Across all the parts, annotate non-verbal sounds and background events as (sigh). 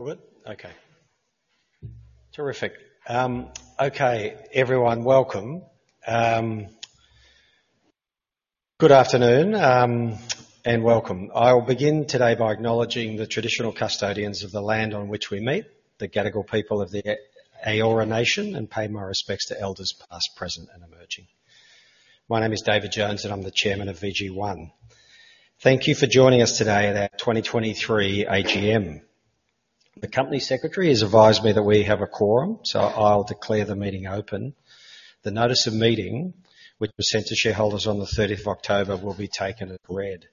OK. Terrific. Okay, everyone, welcome. Good afternoon, and welcome. I will begin today by acknowledging the traditional custodians of the land on which we meet, the Gadigal people of the Eora Nation, and pay my respects to elders past, present, and emerging. My name is David Jones, and I'm the Chairman of VG1. Thank you for joining us today at our 2023 AGM. The company secretary has advised me that we have a quorum, so I'll declare the meeting open. The notice of meeting, which was sent to shareholders on the 30th of October, will be taken as read.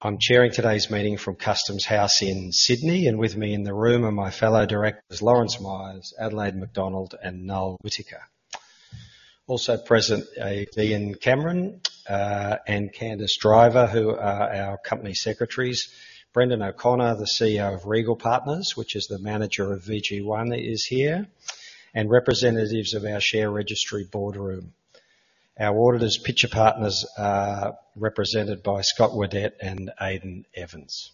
I'm chairing today's meeting from Customs House in Sydney, and with me in the room are my fellow directors, Lawrence Myers, Adelaide McDonald, and Noel Whittaker. Also present are Ian Cameron and Candice Driver, who are our company secretaries. Brendan O'Connor, the CEO of Regal Partners, which is the manager of VG1, is here, and representatives of our share registry Boardroom. Our auditors, Pitcher Partners, are represented by Scott Whiddett and Aiden Evans.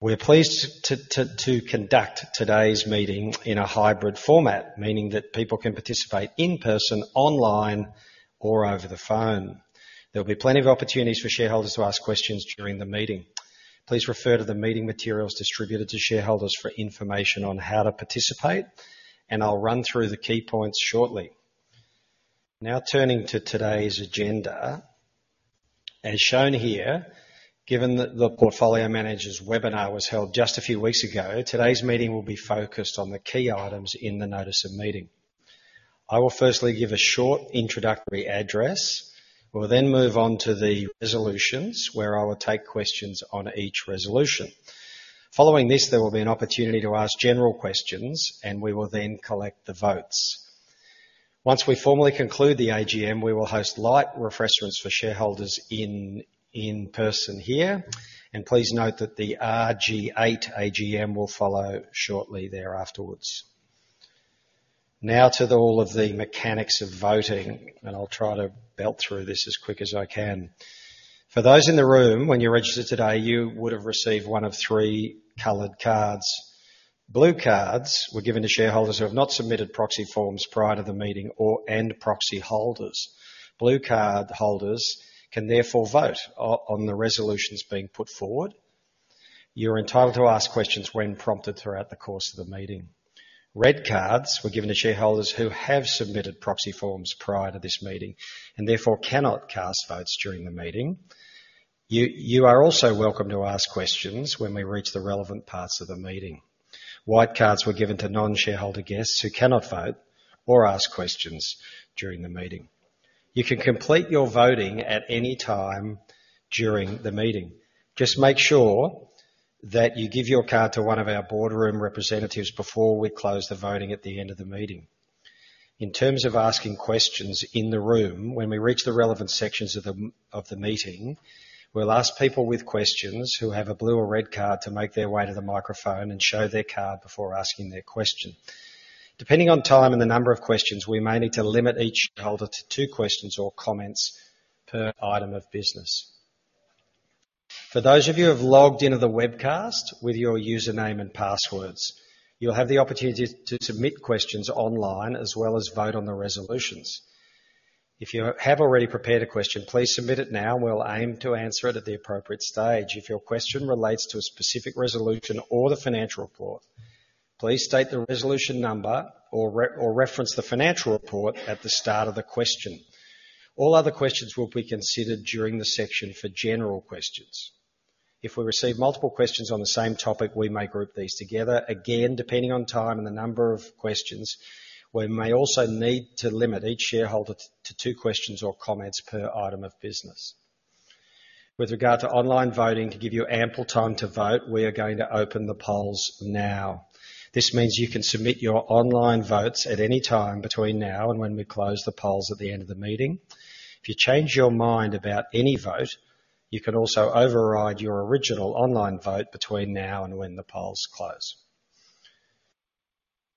We're pleased to conduct today's meeting in a hybrid format, meaning that people can participate in person, online or over the phone. There'll be plenty of opportunities for shareholders to ask questions during the meeting. Please refer to the meeting materials distributed to shareholders for information on how to participate, and I'll run through the key points shortly. Now, turning to today's agenda, as shown here, given that the portfolio manager's webinar was held just a few weeks ago, today's meeting will be focused on the key items in the notice of meeting. I will firstly give a short introductory address. We'll then move on to the resolutions, where I will take questions on each resolution. Following this, there will be an opportunity to ask general questions, and we will then collect the votes. Once we formally conclude the AGM, we will host light refreshments for shareholders in person here, and please note that the RG8 AGM will follow shortly there afterwards. Now to all of the mechanics of voting, and I'll try to belt through this as quick as I can. For those in the room, when you registered today, you would have received one of three colored cards. Blue cards were given to shareholders who have not submitted proxy forms prior to the meeting or proxy holders. Blue card holders can therefore vote on the resolutions being put forward. You're entitled to ask questions when prompted throughout the course of the meeting. Red cards were given to shareholders who have submitted proxy forms prior to this meeting and therefore cannot cast votes during the meeting. You are also welcome to ask questions when we reach the relevant parts of the meeting. White cards were given to non-shareholder guests who cannot vote or ask questions during the meeting. You can complete your voting at any time during the meeting. Just make sure that you give your card to one of our Boardroom representatives before we close the voting at the end of the meeting. In terms of asking questions in the room, when we reach the relevant sections of the meeting, we'll ask people with questions who have a blue or red card to make their way to the microphone and show their card before asking their question. Depending on time and the number of questions, we may need to limit each shareholder to two questions or comments per item of business. For those of you who have logged into the webcast with your username and passwords, you'll have the opportunity to submit questions online as well as vote on the resolutions. If you have already prepared a question, please submit it now, and we'll aim to answer it at the appropriate stage. If your question relates to a specific resolution or the financial report, please state the resolution number or reference the financial report at the start of the question. All other questions will be considered during the section for general questions. If we receive multiple questions on the same topic, we may group these together. Again, depending on time and the number of questions, we may also need to limit each shareholder to two questions or comments per item of business. With regard to online voting, to give you ample time to vote, we are going to open the polls now. This means you can submit your online votes at any time between now and when we close the polls at the end of the meeting. If you change your mind about any vote, you can also override your original online vote between now and when the polls close.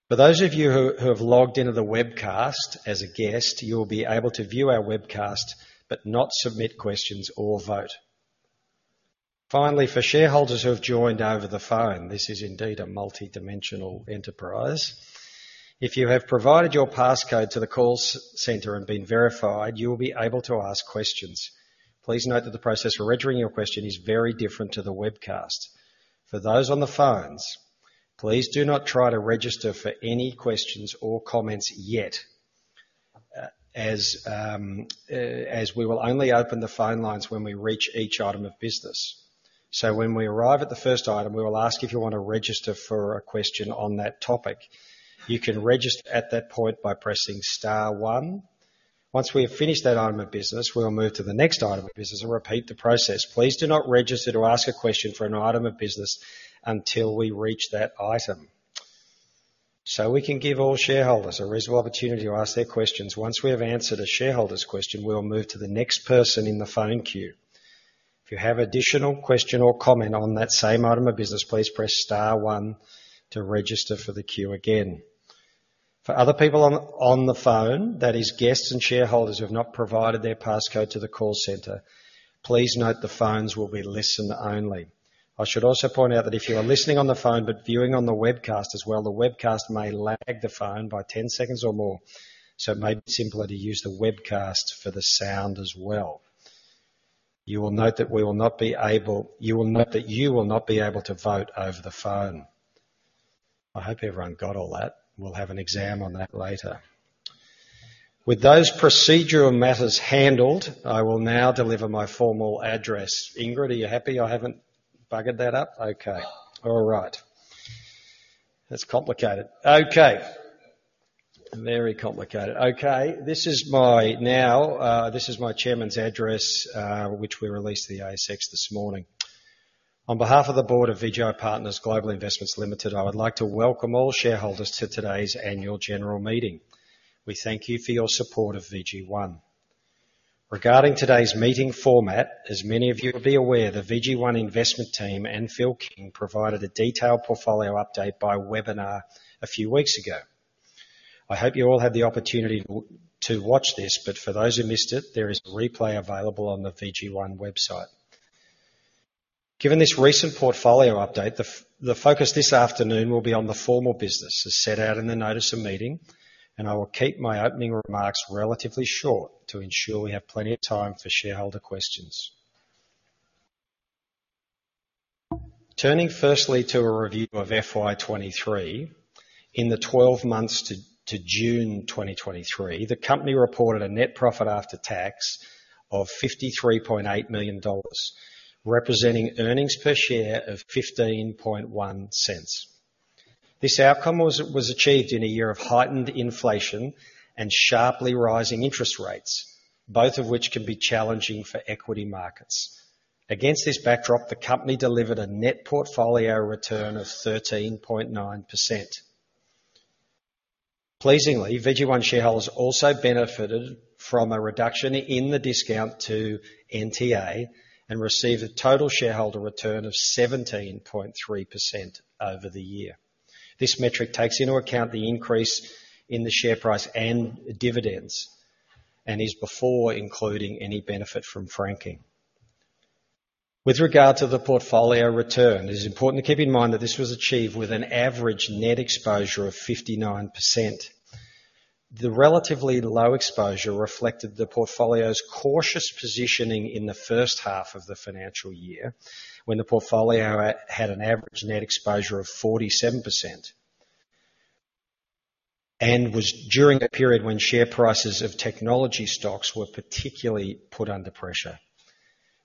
For those of you who have logged into the webcast as a guest, you will be able to view our webcast, but not submit questions or vote. Finally, for shareholders who have joined over the phone, this is indeed a multi-dimensional enterprise. If you have provided your passcode to the call center and been verified, you will be able to ask questions. Please note that the process for registering your question is very different to the webcast. For those on the phones, please do not try to register for any questions or comments yet, as we will only open the phone lines when we reach each item of business. So when we arrive at the first item, we will ask if you want to register for a question on that topic. You can register at that point by pressing star one. Once we have finished that item of business, we will move to the next item of business and repeat the process. Please do not register to ask a question for an item of business until we reach that item, so we can give all shareholders a reasonable opportunity to ask their questions. Once we have answered a shareholder's question, we will move to the next person in the phone queue. If you have additional question or comment on that same item of business, please press star one to register for the queue again. For other people on the phone, that is, guests and shareholders who have not provided their passcode to the call center, please note the phones will be listen only. I should also point out that if you are listening on the phone but viewing on the webcast as well, the webcast may lag the phone by 10 seconds or more, so it may be simpler to use the webcast for the sound as well. You will note that you will not be able to vote over the phone. I hope everyone got all that. We'll have an exam on that later. With those procedural matters handled, I will now deliver my formal address. Ingrid, are you happy I haven't buggered that up? Okay. All right. That's complicated. Okay. Very complicated. Okay, this is my chairman's address, which we released to the ASX this morning. On behalf of the Board of VGI Partners Global Investments Limited, I would like to welcome all shareholders to today's annual general meeting. We thank you for your support of VG1. Regarding today's meeting format, as many of you will be aware, the VG1 investment team and Phil King provided a detailed portfolio update by webinar a few weeks ago. I hope you all had the opportunity to watch this, but for those who missed it, there is a replay available on the VG1 website. Given this recent portfolio update, the focus this afternoon will be on the formal business, as set out in the notice of meeting, and I will keep my opening remarks relatively short to ensure we have plenty of time for shareholder questions. Turning firstly to a review of FY 2023. In the 12 months to June 2023, the company reported a net profit after tax of 53.8 million dollars, representing earnings per share of 0.151. This outcome was achieved in a year of heightened inflation and sharply rising interest rates, both of which can be challenging for equity markets. Against this backdrop, the company delivered a net portfolio return of 13.9%. Pleasingly, VG1 shareholders also benefited from a reduction in the discount to NTA and received a total shareholder return of 17.3% over the year. This metric takes into account the increase in the share price and dividends, and is before including any benefit from franking. With regard to the portfolio return, it is important to keep in mind that this was achieved with an average net exposure of 59%. The relatively low exposure reflected the portfolio's cautious positioning in the first half of the financial year, when the portfolio had an average net exposure of 47%, and was during a period when share prices of technology stocks were particularly put under pressure.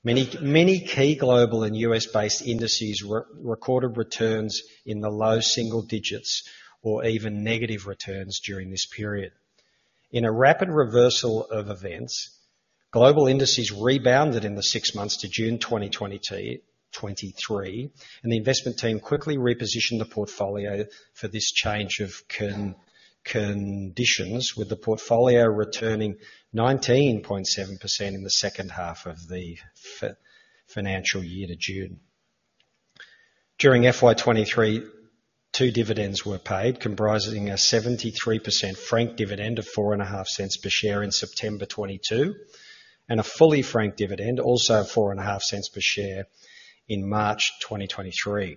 Many, many key global and U.S.-based indices re-recorded returns in the low single digits or even negative returns during this period. In a rapid reversal of events, global indices rebounded in the six months to June 2023, and the investment team quickly repositioned the portfolio for this change of conditions, with the portfolio returning 19.7% in the second half of the financial year to June. During FY 2023, two dividends were paid, comprising a 73% franked dividend of 0.045 per share in September 2022, and a fully franked dividend, also of AUD 0.045 per share, in March 2023.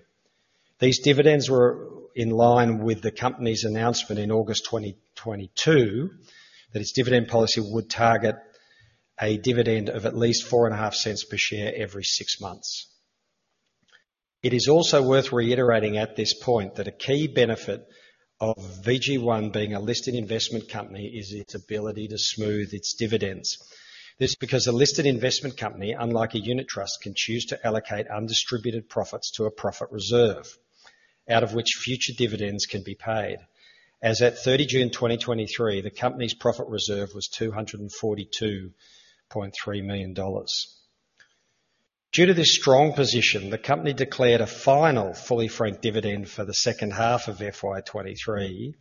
These dividends were in line with the company's announcement in August 2022, that its dividend policy would target a dividend of at least 0.045 per share every six months. It is also worth reiterating at this point, that a key benefit of VG1 being a listed investment company is its ability to smooth its dividends. This is because a listed investment company, unlike a unit trust, can choose to allocate undistributed profits to a profit reserve, out of which future dividends can be paid. As at June 30, 2023, the company's profit reserve was 242.3 million dollars. Due to this strong position, the company declared a final fully franked dividend for the second half of FY 2023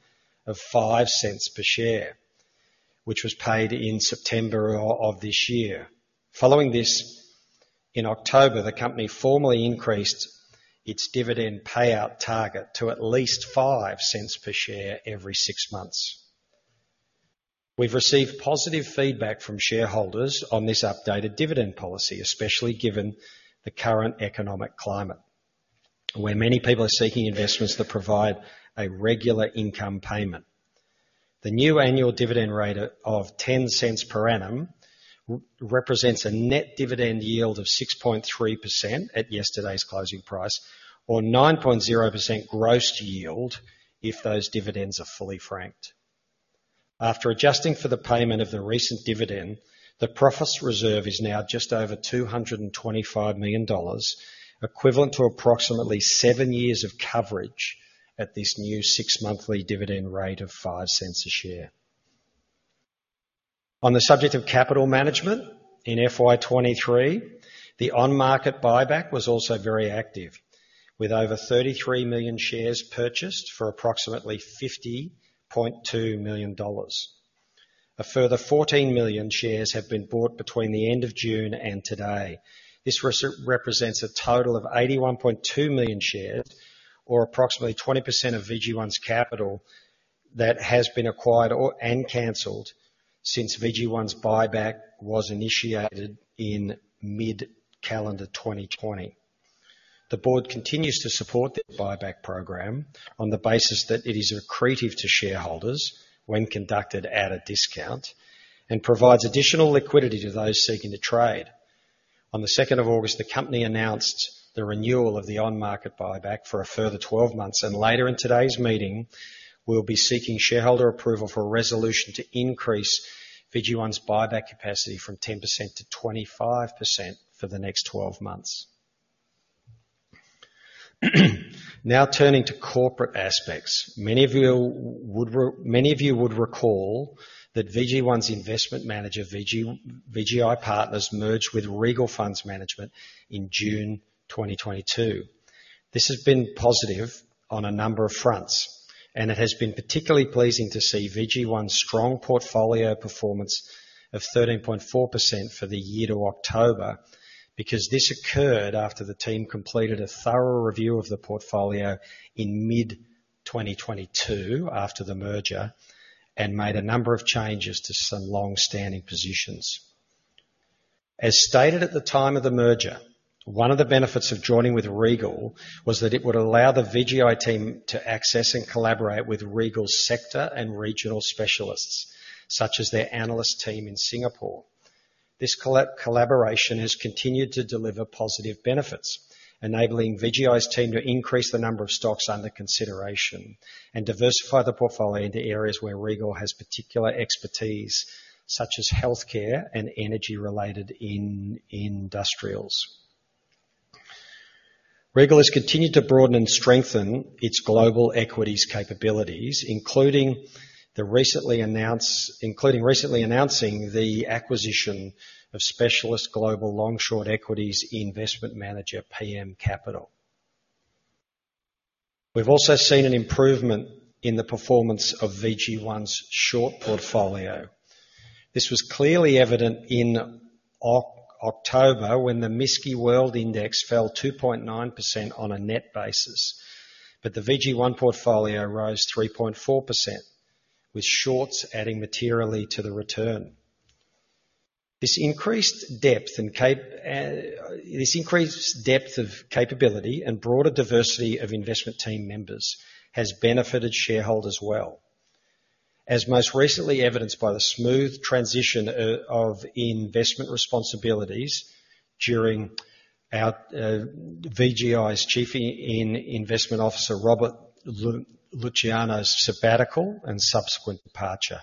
of 0.05 per share, which was paid in September of this year. Following this, in October, the company formally increased its dividend payout target to at least 0.05 per share every six months. We've received positive feedback from shareholders on this updated dividend policy, especially given the current economic climate, where many people are seeking investments that provide a regular income payment. The new annual dividend rate of 0.10 per annum represents a net dividend yield of 6.3% at yesterday's closing price, or 9.0% gross yield if those dividends are fully franked. After adjusting for the payment of the recent dividend, the profits reserve is now just over 225 million dollars, equivalent to approximately seven years of coverage at this new six-monthly dividend rate of 0.05 a share. On the subject of capital management, in FY 2023, the on-market buyback was also very active, with over 33 million shares purchased for approximately 50.2 million dollars. A further 14 million shares have been bought between the end of June and today. This represents a total of 81.2 million shares, or approximately 20% of VG1's capital, that has been acquired and canceled since VG1's buyback was initiated in mid-calendar 2020. The Board continues to support the buyback program on the basis that it is accretive to shareholders when conducted at a discount, and provides additional liquidity to those seeking to trade. On the second of August, the company announced the renewal of the on-market buyback for a further 12 months, and later in today's meeting, we'll be seeking shareholder approval for a resolution to increase VG1's buyback capacity from 10% to 25% for the next 12 months. Now, turning to corporate aspects. Many of you would recall that VG1's investment manager, VG, VGI Partners, merged with Regal Funds Management in June 2022. This has been positive on a number of fronts, and it has been particularly pleasing to see VG1's strong portfolio performance of 13.4% for the year to October, because this occurred after the team completed a thorough review of the portfolio in mid-2022, after the merger, and made a number of changes to some long-standing positions. As stated at the time of the merger, one of the benefits of joining with Regal was that it would allow the VGI team to access and collaborate with Regal's sector and regional specialists, such as their analyst team in Singapore. This collaboration has continued to deliver positive benefits, enabling VGI's team to increase the number of stocks under consideration and diversify the portfolio into areas where Regal has particular expertise, such as healthcare and energy-related industrials. Regal has continued to broaden and strengthen its global equities capabilities, including recently announcing the acquisition of specialist global long-short equities investment manager, PM Capital. We've also seen an improvement in the performance of VG1's short portfolio. This was clearly evident in October, when the MSCI World Index fell 2.9% on a net basis, but the VG1 portfolio rose 3.4%, with shorts adding materially to the return. This increased depth of capability and broader diversity of investment team members has benefited shareholders well, as most recently evidenced by the smooth transition of investment responsibilities during our VGI's Chief Investment Officer, Robert Luciano's sabbatical and subsequent departure.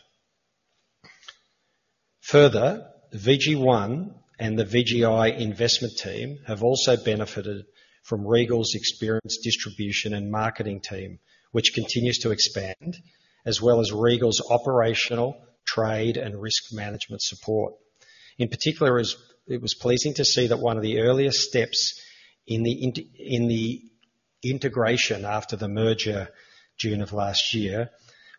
Further, VG1 and the VGI investment team have also benefited from Regal's experienced distribution and marketing team, which continues to expand, as well as Regal's operational, trade, and risk management support. In particular, as it was pleasing to see that one of the earliest steps in the integration after the merger, June of last year,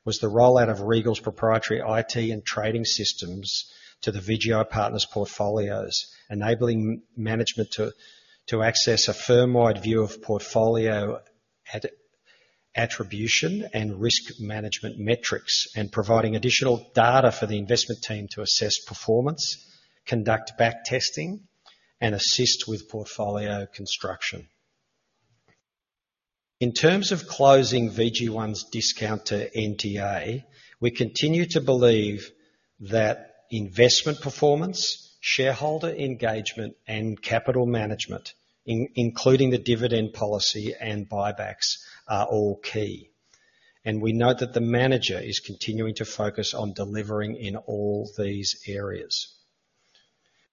was the rollout of Regal's proprietary IT and trading systems to the VGI Partners portfolios, enabling management to access a firm-wide view of portfolio attribution and risk management metrics, and providing additional data for the investment team to assess performance, conduct back testing, and assist with portfolio construction. In terms of closing VG1's discount to NTA, we continue to believe that investment performance, shareholder engagement, and capital management, including the dividend policy and buybacks, are all key, and we note that the manager is continuing to focus on delivering in all these areas.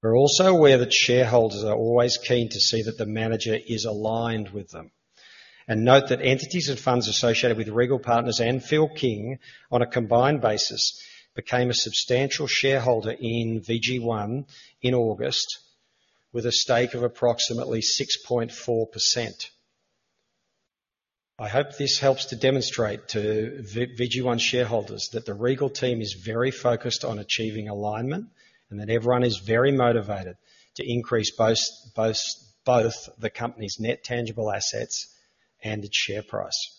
We're also aware that shareholders are always keen to see that the manager is aligned with them. And note that entities and funds associated with Regal Partners and Phil King, on a combined basis, became a substantial shareholder in VG1 in August, with a stake of approximately 6.4%. I hope this helps to demonstrate to VG1 shareholders that the Regal team is very focused on achieving alignment, and that everyone is very motivated to increase both the company's net tangible assets and its share price.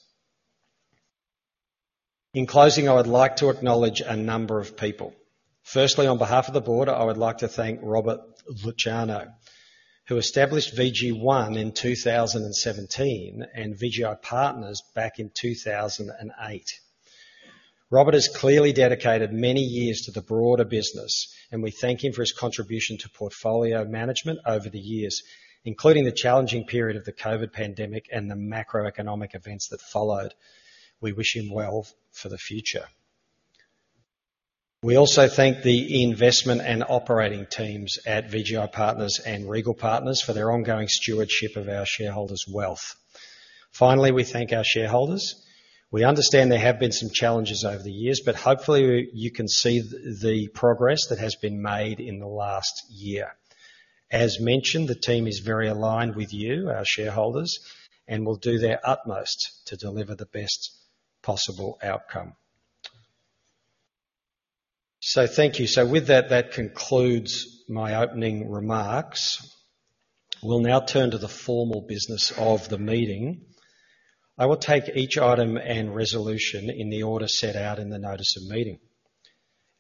In closing, I would like to acknowledge a number of people. Firstly, on behalf of the Board, I would like to thank Robert Luciano, who established VG1 in 2017 and VGI Partners back in 2008. Robert has clearly dedicated many years to the broader business, and we thank him for his contribution to portfolio management over the years, including the challenging period of the COVID pandemic and the macroeconomic events that followed. We wish him well for the future. We also thank the investment and operating teams at VGI Partners and Regal Partners for their ongoing stewardship of our shareholders' wealth. Finally, we thank our shareholders. We understand there have been some challenges over the years, but hopefully you can see the progress that has been made in the last year. As mentioned, the team is very aligned with you, our shareholders, and will do their utmost to deliver the best possible outcome. So thank you. So with that, that concludes my opening remarks. We'll now turn to the formal business of the meeting. I will take each item and resolution in the order set out in the notice of meeting.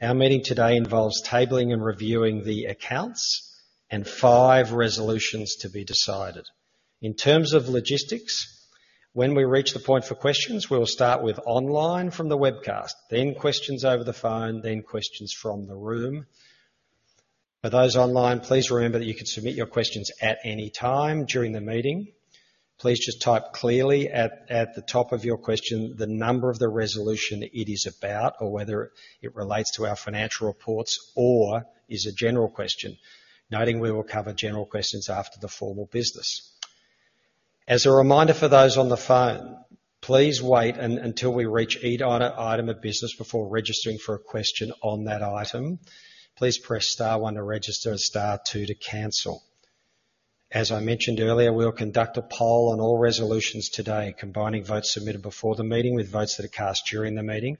Our meeting today involves tabling and reviewing the accounts and five resolutions to be decided. In terms of logistics, when we reach the point for questions, we'll start with online from the webcast, then questions over the phone, then questions from the room. For those online, please remember that you can submit your questions at any time during the meeting. Please just type clearly at the top of your question, the number of the resolution it is about, or whether it relates to our financial reports or is a general question. Noting we will cover general questions after the formal business. As a reminder for those on the phone, please wait until we reach each item of business before registering for a question on that item. Please press star one to register and star two to cancel. As I mentioned earlier, we'll conduct a poll on all resolutions today, combining votes submitted before the meeting with votes that are cast during the meeting,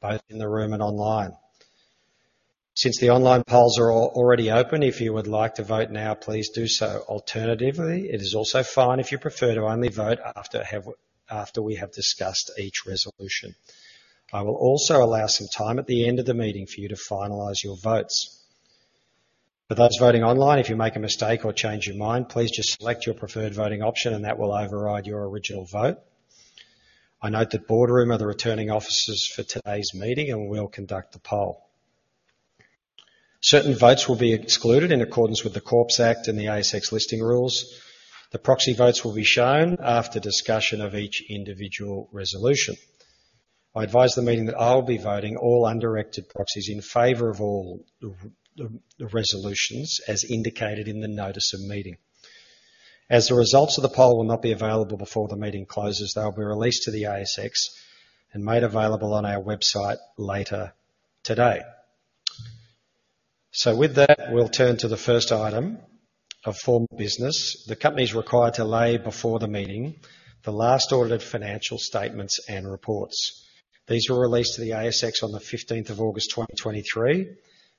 both in the room and online. Since the online polls are already open, if you would like to vote now, please do so. Alternatively, it is also fine if you prefer to only vote after we have discussed each resolution. I will also allow some time at the end of the meeting for you to finalize your votes. For those voting online, if you make a mistake or change your mind, please just select your preferred voting option and that will override your original vote. I note that Boardroom are the returning officers for today's meeting, and we will conduct the poll. Certain votes will be excluded in accordance with the Corps Act and the ASX listing rules. The proxy votes will be shown after discussion of each individual resolution. I advise the meeting that I'll be voting all undirected proxies in favor of all the resolutions, as indicated in the notice of meeting. As the results of the poll will not be available before the meeting closes, they'll be released to the ASX and made available on our website later today. With that, we'll turn to the first item of formal business. The company is required to lay before the meeting the last audited financial statements and reports. These were released to the ASX on the 15th of August, 2023,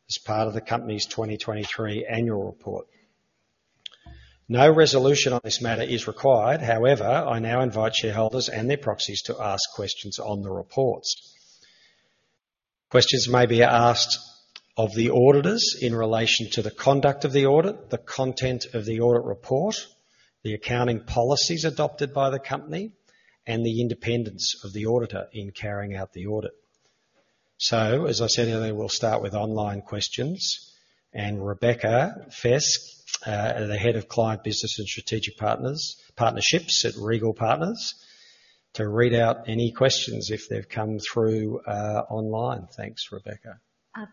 as part of the company's 2023 annual report. No resolution on this matter is required. However, I now invite shareholders and their proxies to ask questions on the reports. Questions may be asked of the auditors in relation to the conduct of the audit, the content of the audit report, the accounting policies adopted by the company, and the independence of the auditor in carrying out the audit. So, as I said earlier, we'll start with online questions, and Rebecca Fesq, the Head of Client Business and Strategic Partnerships at Regal Partners, to read out any questions if they've come through, online. Thanks, Rebecca.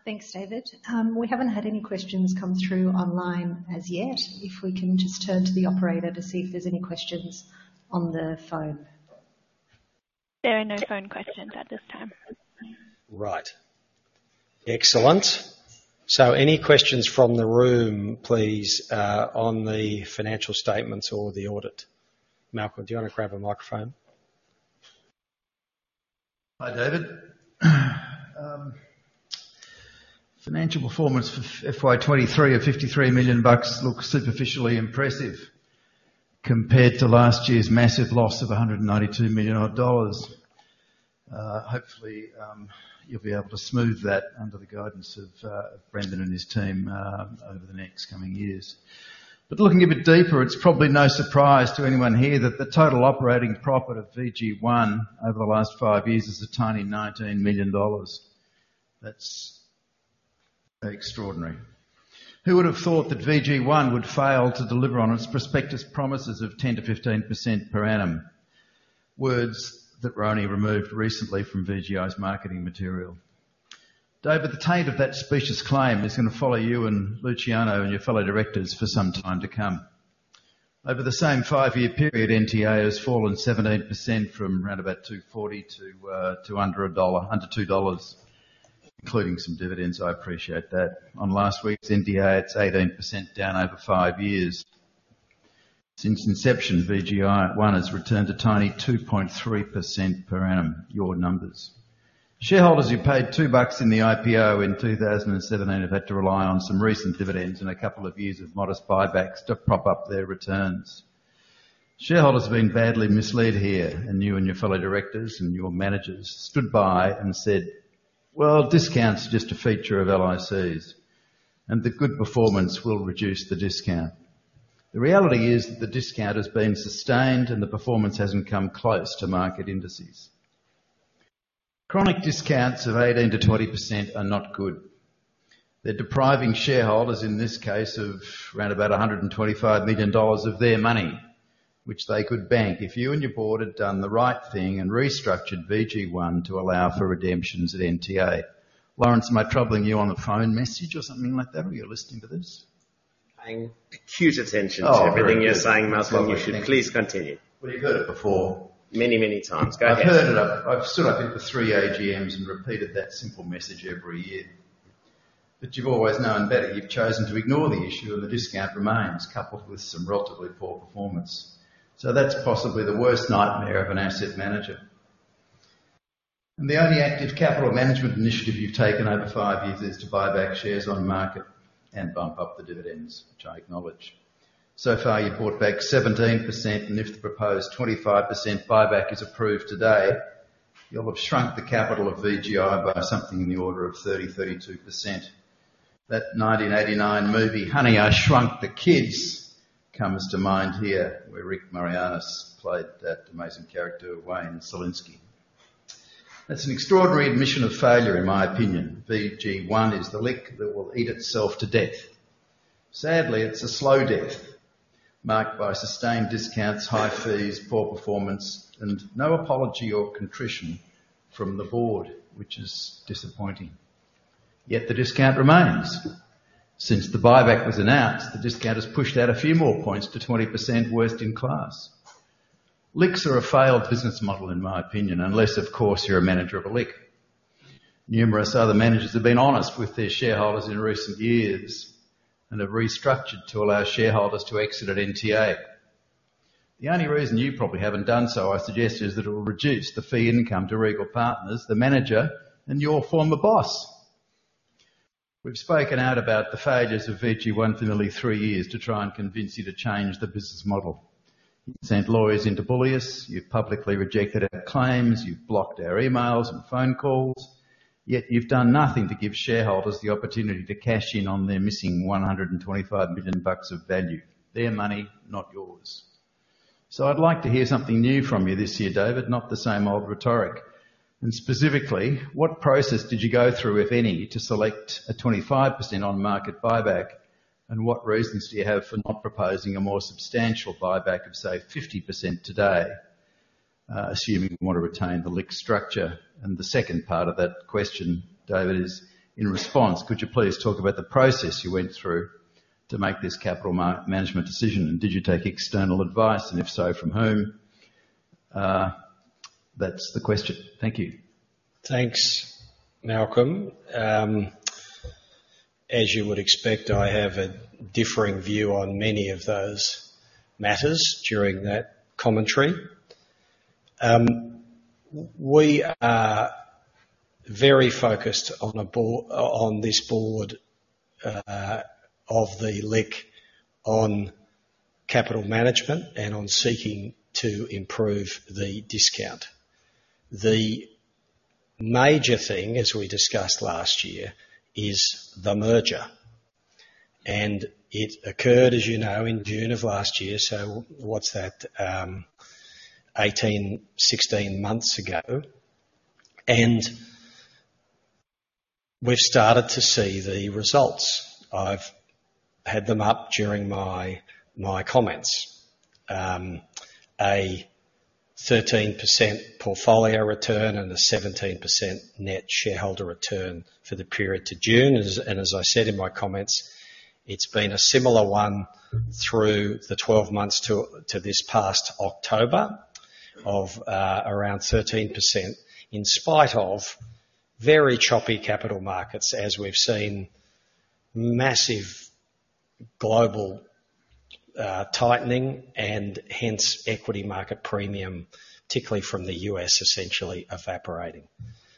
Thanks, David. We haven't had any questions come through online as yet. If we can just turn to the operator to see if there's any questions on the phone. There are no phone questions at this time. Right. Excellent. So any questions from the room, please, on the financial statements or the audit? Malcolm, do you want to grab a microphone? Hi, David. Financial performance for FY 2023 of 53 million bucks looks superficially impressive compared to last year's massive loss of 192 million odd dollars. Hopefully, you'll be able to smooth that under the guidance of Brendan and his team over the next coming years. But looking a bit deeper, it's probably no surprise to anyone here that the total operating profit of VG1 over the last five years is a tiny 19 million dollars. That's extraordinary. Who would have thought that VG1 would fail to deliver on its prospectus promises of 10%-15% per annum? Words that were only removed recently from VGI's marketing material. David, the taint of that specious claim is going to follow you and Luciano and your fellow directors for some time to come. Over the same five-year period, NTA has fallen 17% from around about 2.40 to under AUD 1, under 2 dollars, including some dividends, I appreciate that. On last week's NTA, it's 18% down over five years. Since inception, VG1 has returned a tiny 2.3% per annum, your numbers. Shareholders who paid 2 bucks in the IPO in 2017 have had to rely on some recent dividends and a couple of years of modest buybacks to prop up their returns. Shareholders have been badly misled here, and you and your fellow directors and your managers stood by and said: "Well, discount's just a feature of LICs, and the good performance will reduce the discount." The reality is that the discount has been sustained and the performance hasn't come close to market indices. Chronic discounts of 18%-20% are not good. They're depriving shareholders, in this case, of around about 125 million dollars of their money, which they could bank if you and your Board had done the right thing and restructured VG1 to allow for redemptions at NTA. Lawrence, am I troubling you on a phone message or something like that, or are you listening to this? Paying acute attention to- Oh, very good. Everything you're saying, Malcolm. You should please continue. Well, you've heard it before? Many, many times. Go ahead. I've heard it. I've stood up at the three AGMs and repeated that simple message every year. But you've always known better. You've chosen to ignore the issue, and the discount remains, coupled with some relatively poor performance. So that's possibly the worst nightmare of an asset manager. And the only active capital management initiative you've taken over five years is to buy back shares on the market and bump up the dividends, which I acknowledge. So far, you've bought back 17%, and if the proposed 25% buyback is approved today, you'll have shrunk the capital of VGI by something in the order of 30%-32%. That 1989 movie, Honey, I Shrunk the Kids, comes to mind here, where Rick Moranis played that amazing character, Wayne Szalinski. That's an extraordinary admission of failure, in my opinion. VG1 is the LIC that will eat itself to death. Sadly, it's a slow death, marked by sustained discounts, high fees, poor performance, and no apology or contrition from the Board, which is disappointing. Yet the discount remains. Since the buyback was announced, the discount has pushed out a few more points to 20% worst in class. LICs are a failed business model, in my opinion, unless, of course, you're a manager of a LIC. Numerous other managers have been honest with their shareholders in recent years and have restructured to allow shareholders to exit at NTA. The only reason you probably haven't done so, I suggest, is that it will reduce the fee income to Regal Partners, the manager and your former boss. We've spoken out about the failures of VG1 for nearly three years to try and convince you to change the business model. You've sent lawyers in to bully us, you've publicly rejected our claims, you've blocked our emails and phone calls, yet you've done nothing to give shareholders the opportunity to cash in on their missing 125 million bucks of value. Their money, not yours. So I'd like to hear something new from you this year, David, not the same old rhetoric. And specifically, what process did you go through, if any, to select a 25% on-market buyback? And what reasons do you have for not proposing a more substantial buyback of, say, 50% today, assuming you want to retain the LIC structure? And the second part of that question, David, is in response: Could you please talk about the process you went through to make this capital management decision, and did you take external advice, and if so, from whom? That's the question. Thank you. Thanks, Malcolm. As you would expect, I have a differing view on many of those matters during that commentary. We are very focused on this Board of the LIC, on capital management and on seeking to improve the discount. The major thing, as we discussed last year, is the merger, and it occurred, as you know, in June of last year. So what's that? 18, 16 months ago, and we've started to see the results. I've had them up during my comments. A 13% portfolio return and a 17% net shareholder return for the period to June. And as I said in my comments, it's been a similar one through the 12 months to this past October of around 13%, in spite of very choppy capital markets, as we've seen massive global tightening and hence equity market premium, particularly from the U.S., essentially evaporating.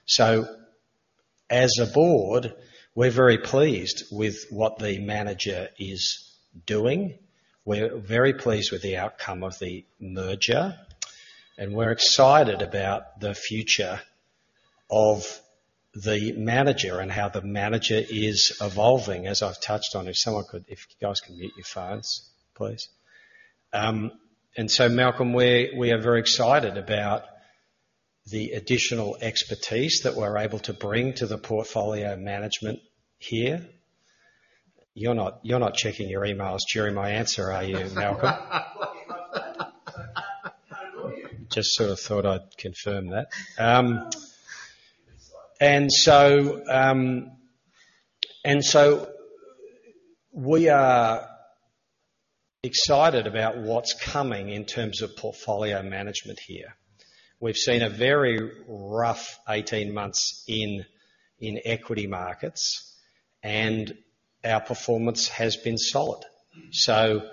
So as a Board, we're very pleased with what the manager is doing. We're very pleased with the outcome of the merger, and we're excited about the future of the manager and how the manager is evolving, as I've touched on. If someone could, if you guys can mute your phones, please. And so, Malcolm, we're, we are very excited about the additional expertise that we're able to bring to the portfolio management here. You're not, you're not checking your emails during my answer, are you, Malcolm? Just so I thought I'd confirm that. And so we are excited about what's coming in terms of portfolio management here. We've seen a very rough 18 months in equity markets, and our performance has been solid. So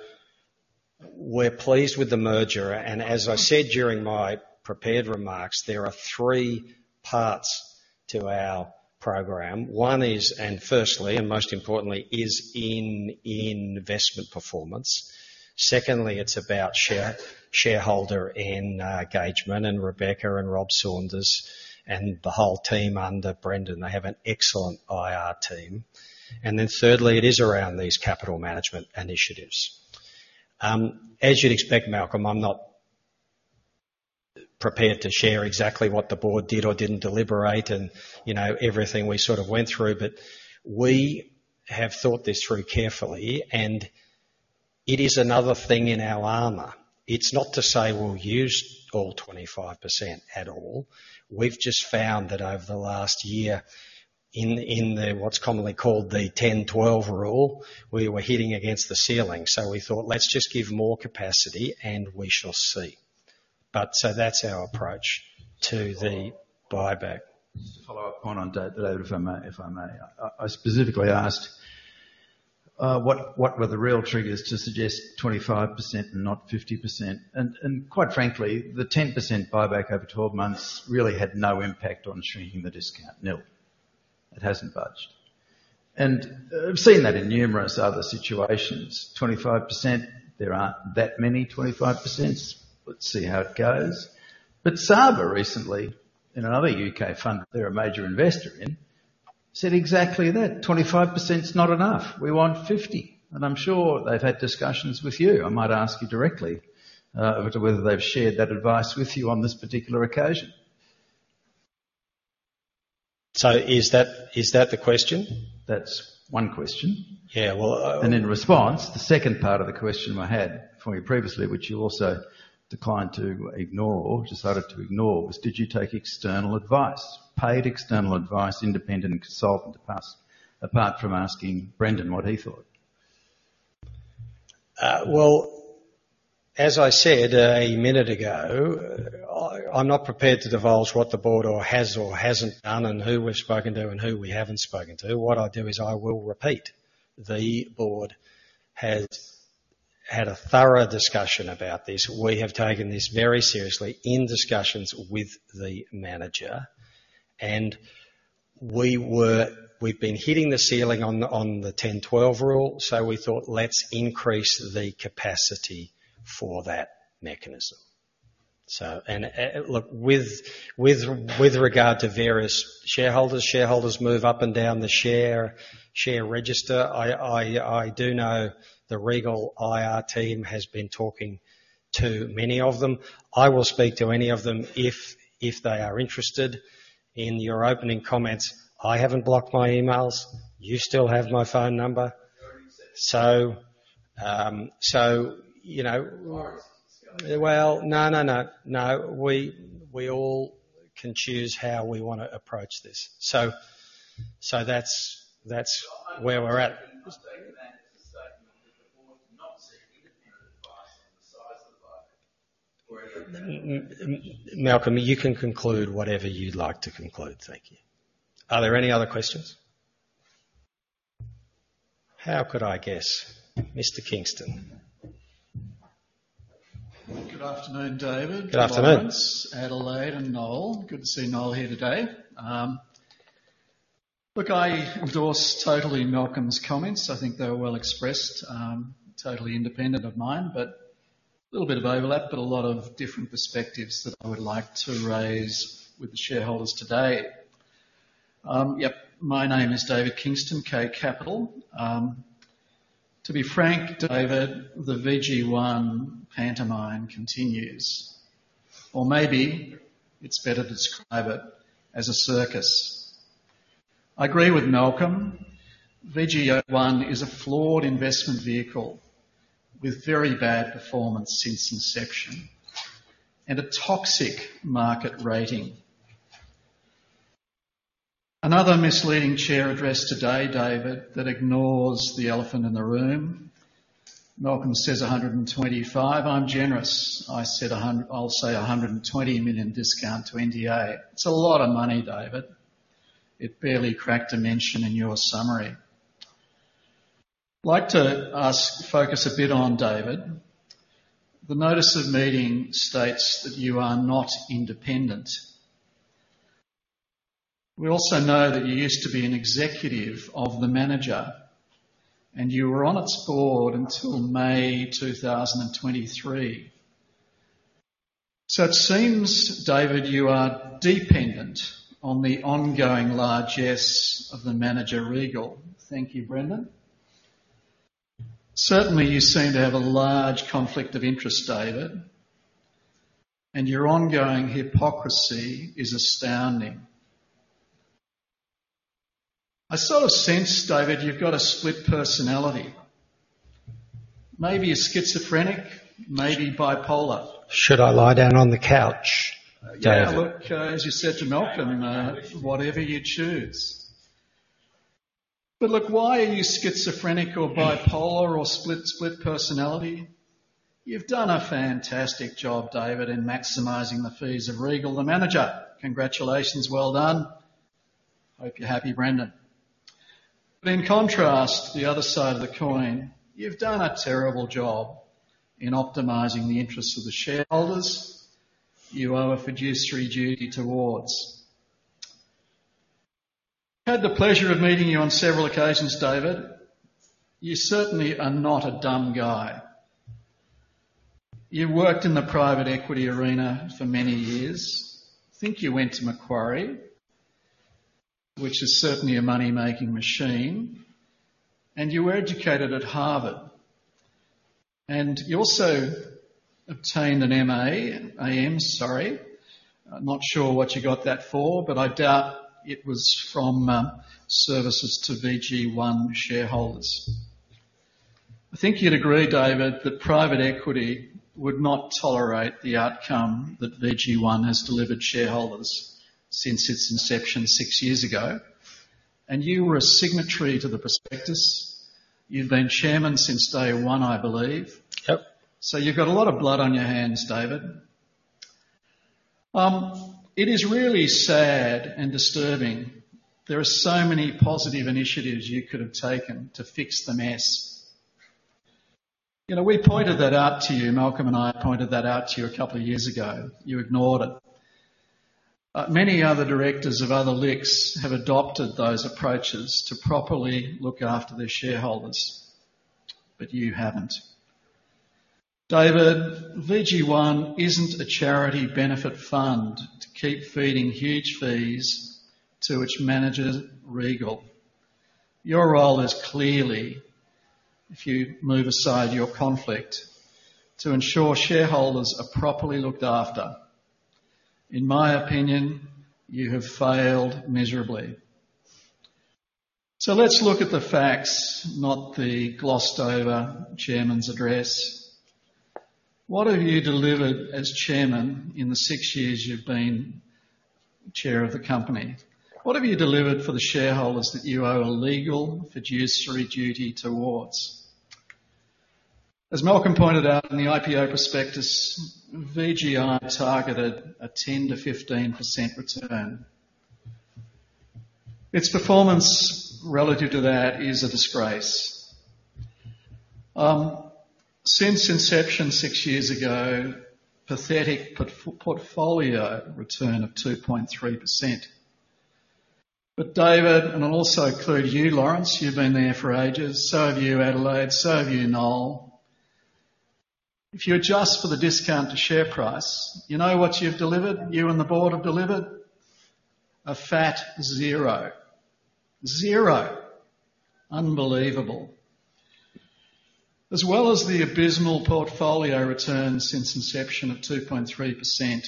we're pleased with the merger, and as I said during my prepared remarks, there are three parts to our program. One is, and firstly, and most importantly, is in investment performance. Secondly, it's about shareholder engagement, and Rebecca and Rob Saunders and the whole team under Brendan, they have an excellent IR team. And then thirdly, it is around these capital management initiatives. As you'd expect, Malcolm, I'm not prepared to share exactly what the Board did or didn't deliberate and, you know, everything we sort of went through, but we have thought this through carefully, and it is another thing in our armor. It's not to say we'll use all 25% at all. We've just found that over the last year, in the what's commonly called the 10/12 rule, we were hitting against the ceiling. So we thought, "Let's just give more capacity, and we shall see."... But so that's our approach to the buyback. Just to follow up on that, if I may. I specifically asked what were the real triggers to suggest 25% and not 50%? And quite frankly, the 10% buyback over 12 months really had no impact on shrinking the discount. No. It hasn't budged. And we've seen that in numerous other situations. 25%, there aren't that many. 25%s, let's see how it goes. But Saba recently, in another U.K. fund they're a major investor in, said exactly that, "25% is not enough. We want 50%." And I'm sure they've had discussions with you. I might ask you directly whether they've shared that advice with you on this particular occasion. So is that, is that the question? That's one question. Yeah, well, In response, the second part of the question I had for you previously, which you also declined to ignore, decided to ignore, was: Did you take external advice, paid external advice, independent consultant advice, apart from asking Brendan what he thought? Well, as I said a minute ago, I'm not prepared to divulge what the Board or has or hasn't done and who we've spoken to and who we haven't spoken to. What I'll do is I will repeat. The Board has had a thorough discussion about this. We have taken this very seriously in discussions with the manager, and we've been hitting the ceiling on the 10/12 rule, so we thought, "Let's increase the capacity for that mechanism." So... And, look, with regard to various shareholders, shareholders move up and down the share register. I do know the Regal IR team has been talking to many of them. I will speak to any of them if they are interested. In your opening comments, I haven't blocked my emails. You still have my phone number. No, you said- So, you know- All right. Well, no, no, no. No, we, we all can choose how we wanna approach this. So, so that's, that's where we're at. That is a statement that the Board did not seek independent advice on the size of the buyback or any- Malcolm, you can conclude whatever you'd like to conclude. Thank you. Are there any other questions? How could I guess? Mr. Kingston. Good afternoon, David. Good afternoon. Adelaide and Noel. Good to see Noel here today. Look, I endorse totally Malcolm's comments. I think they were well expressed, totally independent of mine, but a little bit of overlap, but a lot of different perspectives that I would like to raise with the shareholders today. Yep, my name is David Kingston, K Capital. To be frank, David, the VG1 pantomime continues, or maybe it's better to describe it as a circus. I agree with Malcolm. VG1 is a flawed investment vehicle with very bad performance since inception and a toxic market rating. Another misleading chair address today, David, that ignores the elephant in the room. Malcolm says 125 million. I'm generous. I said, I'll say 120 million discount to NTA. It's a lot of money, David. It barely cracked a mention in your summary. I'd like to focus a bit on David. The notice of meeting states that you are not independent. We also know that you used to be an executive of the manager, and you were on its Board until May 2023. So it seems, David, you are dependent on the ongoing largesse of the manager, Regal. Thank you, Brendan. Certainly, you seem to have a large conflict of interest, David, and your ongoing hypocrisy is astounding. I sort of sense, David, you've got a split personality. Maybe a schizophrenic, maybe bipolar. Should I lie down on the couch, David? Yeah, look, as you said to Malcolm, whatever you choose. But look, why are you schizophrenic or bipolar or split, split personality? You've done a fantastic job, David, in maximizing the fees of Regal, the manager. Congratulations. Well done. Hope you're happy, Brendan. But in contrast, the other side of the coin, you've done a terrible job in optimizing the interests of the shareholders you owe a fiduciary duty towards. I've had the pleasure of meeting you on several occasions, David. You certainly are not a dumb guy. You worked in the private equity arena for many years. I think you went to Macquarie, which is certainly a money-making machine, and you were educated at Harvard, and you also obtained an MA, an AM, sorry. I'm not sure what you got that for, but I doubt it was from services to VG1 shareholders. I think you'd agree, David, that private equity would not tolerate the outcome that VG1 has delivered shareholders since its inception six years ago... and you were a signatory to the prospectus. You've been Chairman since day one, I believe? Yep. So you've got a lot of blood on your hands, David. It is really sad and disturbing. There are so many positive initiatives you could have taken to fix the mess. You know, we pointed that out to you. Malcolm and I pointed that out to you a couple of years ago. You ignored it. But many other directors of other LICs have adopted those approaches to properly look after their shareholders, but you haven't. David, VG1 isn't a charity benefit fund to keep feeding huge fees to its manager, Regal. Your role is clearly, if you move aside your conflict, to ensure shareholders are properly looked after. In my opinion, you have failed miserably. So let's look at the facts, not the glossed-over chairman's address. What have you delivered as chairman in the six years you've been chair of the company? What have you delivered for the shareholders that you owe a legal fiduciary duty towards? As Malcolm pointed out in the IPO prospectus, VGI targeted a 10%-15% return. Its performance relative to that is a disgrace. Since inception, six years ago, pathetic portfolio return of 2.3%. But David, and I'll also include you, Lawrence, you've been there for ages. So have you, Adelaide. So have you, Noel. If you adjust for the discount to share price, you know what you've delivered, you and the Board have delivered? A fat zero. Zero! Unbelievable. As well as the abysmal portfolio returns since inception of 2.3%,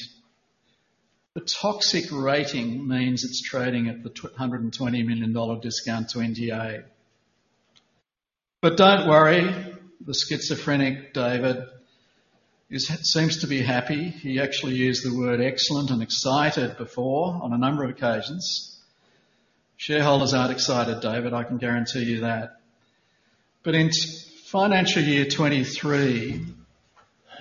the toxic rating means it's trading at the 220 million dollar discount to NTA. But don't worry, the schizophrenic David seems to be happy. He actually used the word excellent and excited before, on a number of occasions. Shareholders aren't excited, David, I can guarantee you that. But in financial year 2023,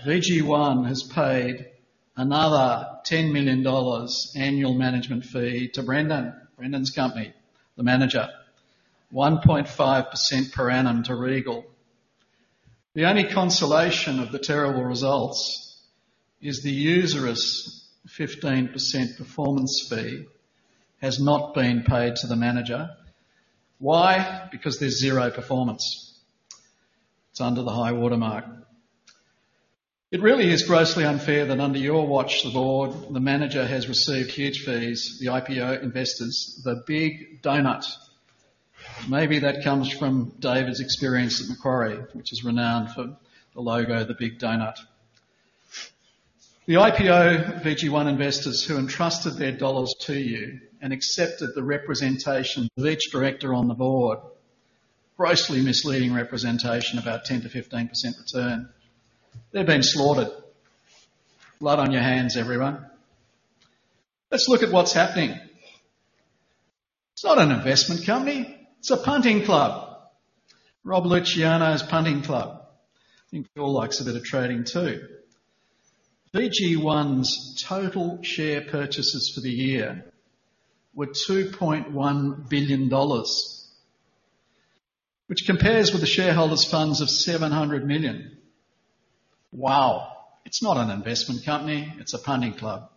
VG1 has paid another 10 million dollars annual management fee to Brendan, Brendan's company, the manager. 1.5% per annum to Regal. The only consolation of the terrible results is the usurious 15% performance fee has not been paid to the manager. Why? Because there's zero performance. It's under the high-water mark. It really is grossly unfair that under your watch, the Board, the manager, has received huge fees, the IPO investors, the big donut. Maybe that comes from David's experience at Macquarie, which is renowned for the logo, The Big Donut. The IPO VG1 investors who entrusted their dollars to you and accepted the representation of each director on the Board, grossly misleading representation, about 10%-15% return. They've been slaughtered. Blood on your hands, everyone. Let's look at what's happening. It's not an investment company, it's a punting club. Rob Luciano's punting club. I think Paul likes a bit of trading, too. VG1's total share purchases for the year were 2.1 billion dollars, which compares with the shareholders' funds of 700 million. Wow! It's not an investment company, it's a punting club.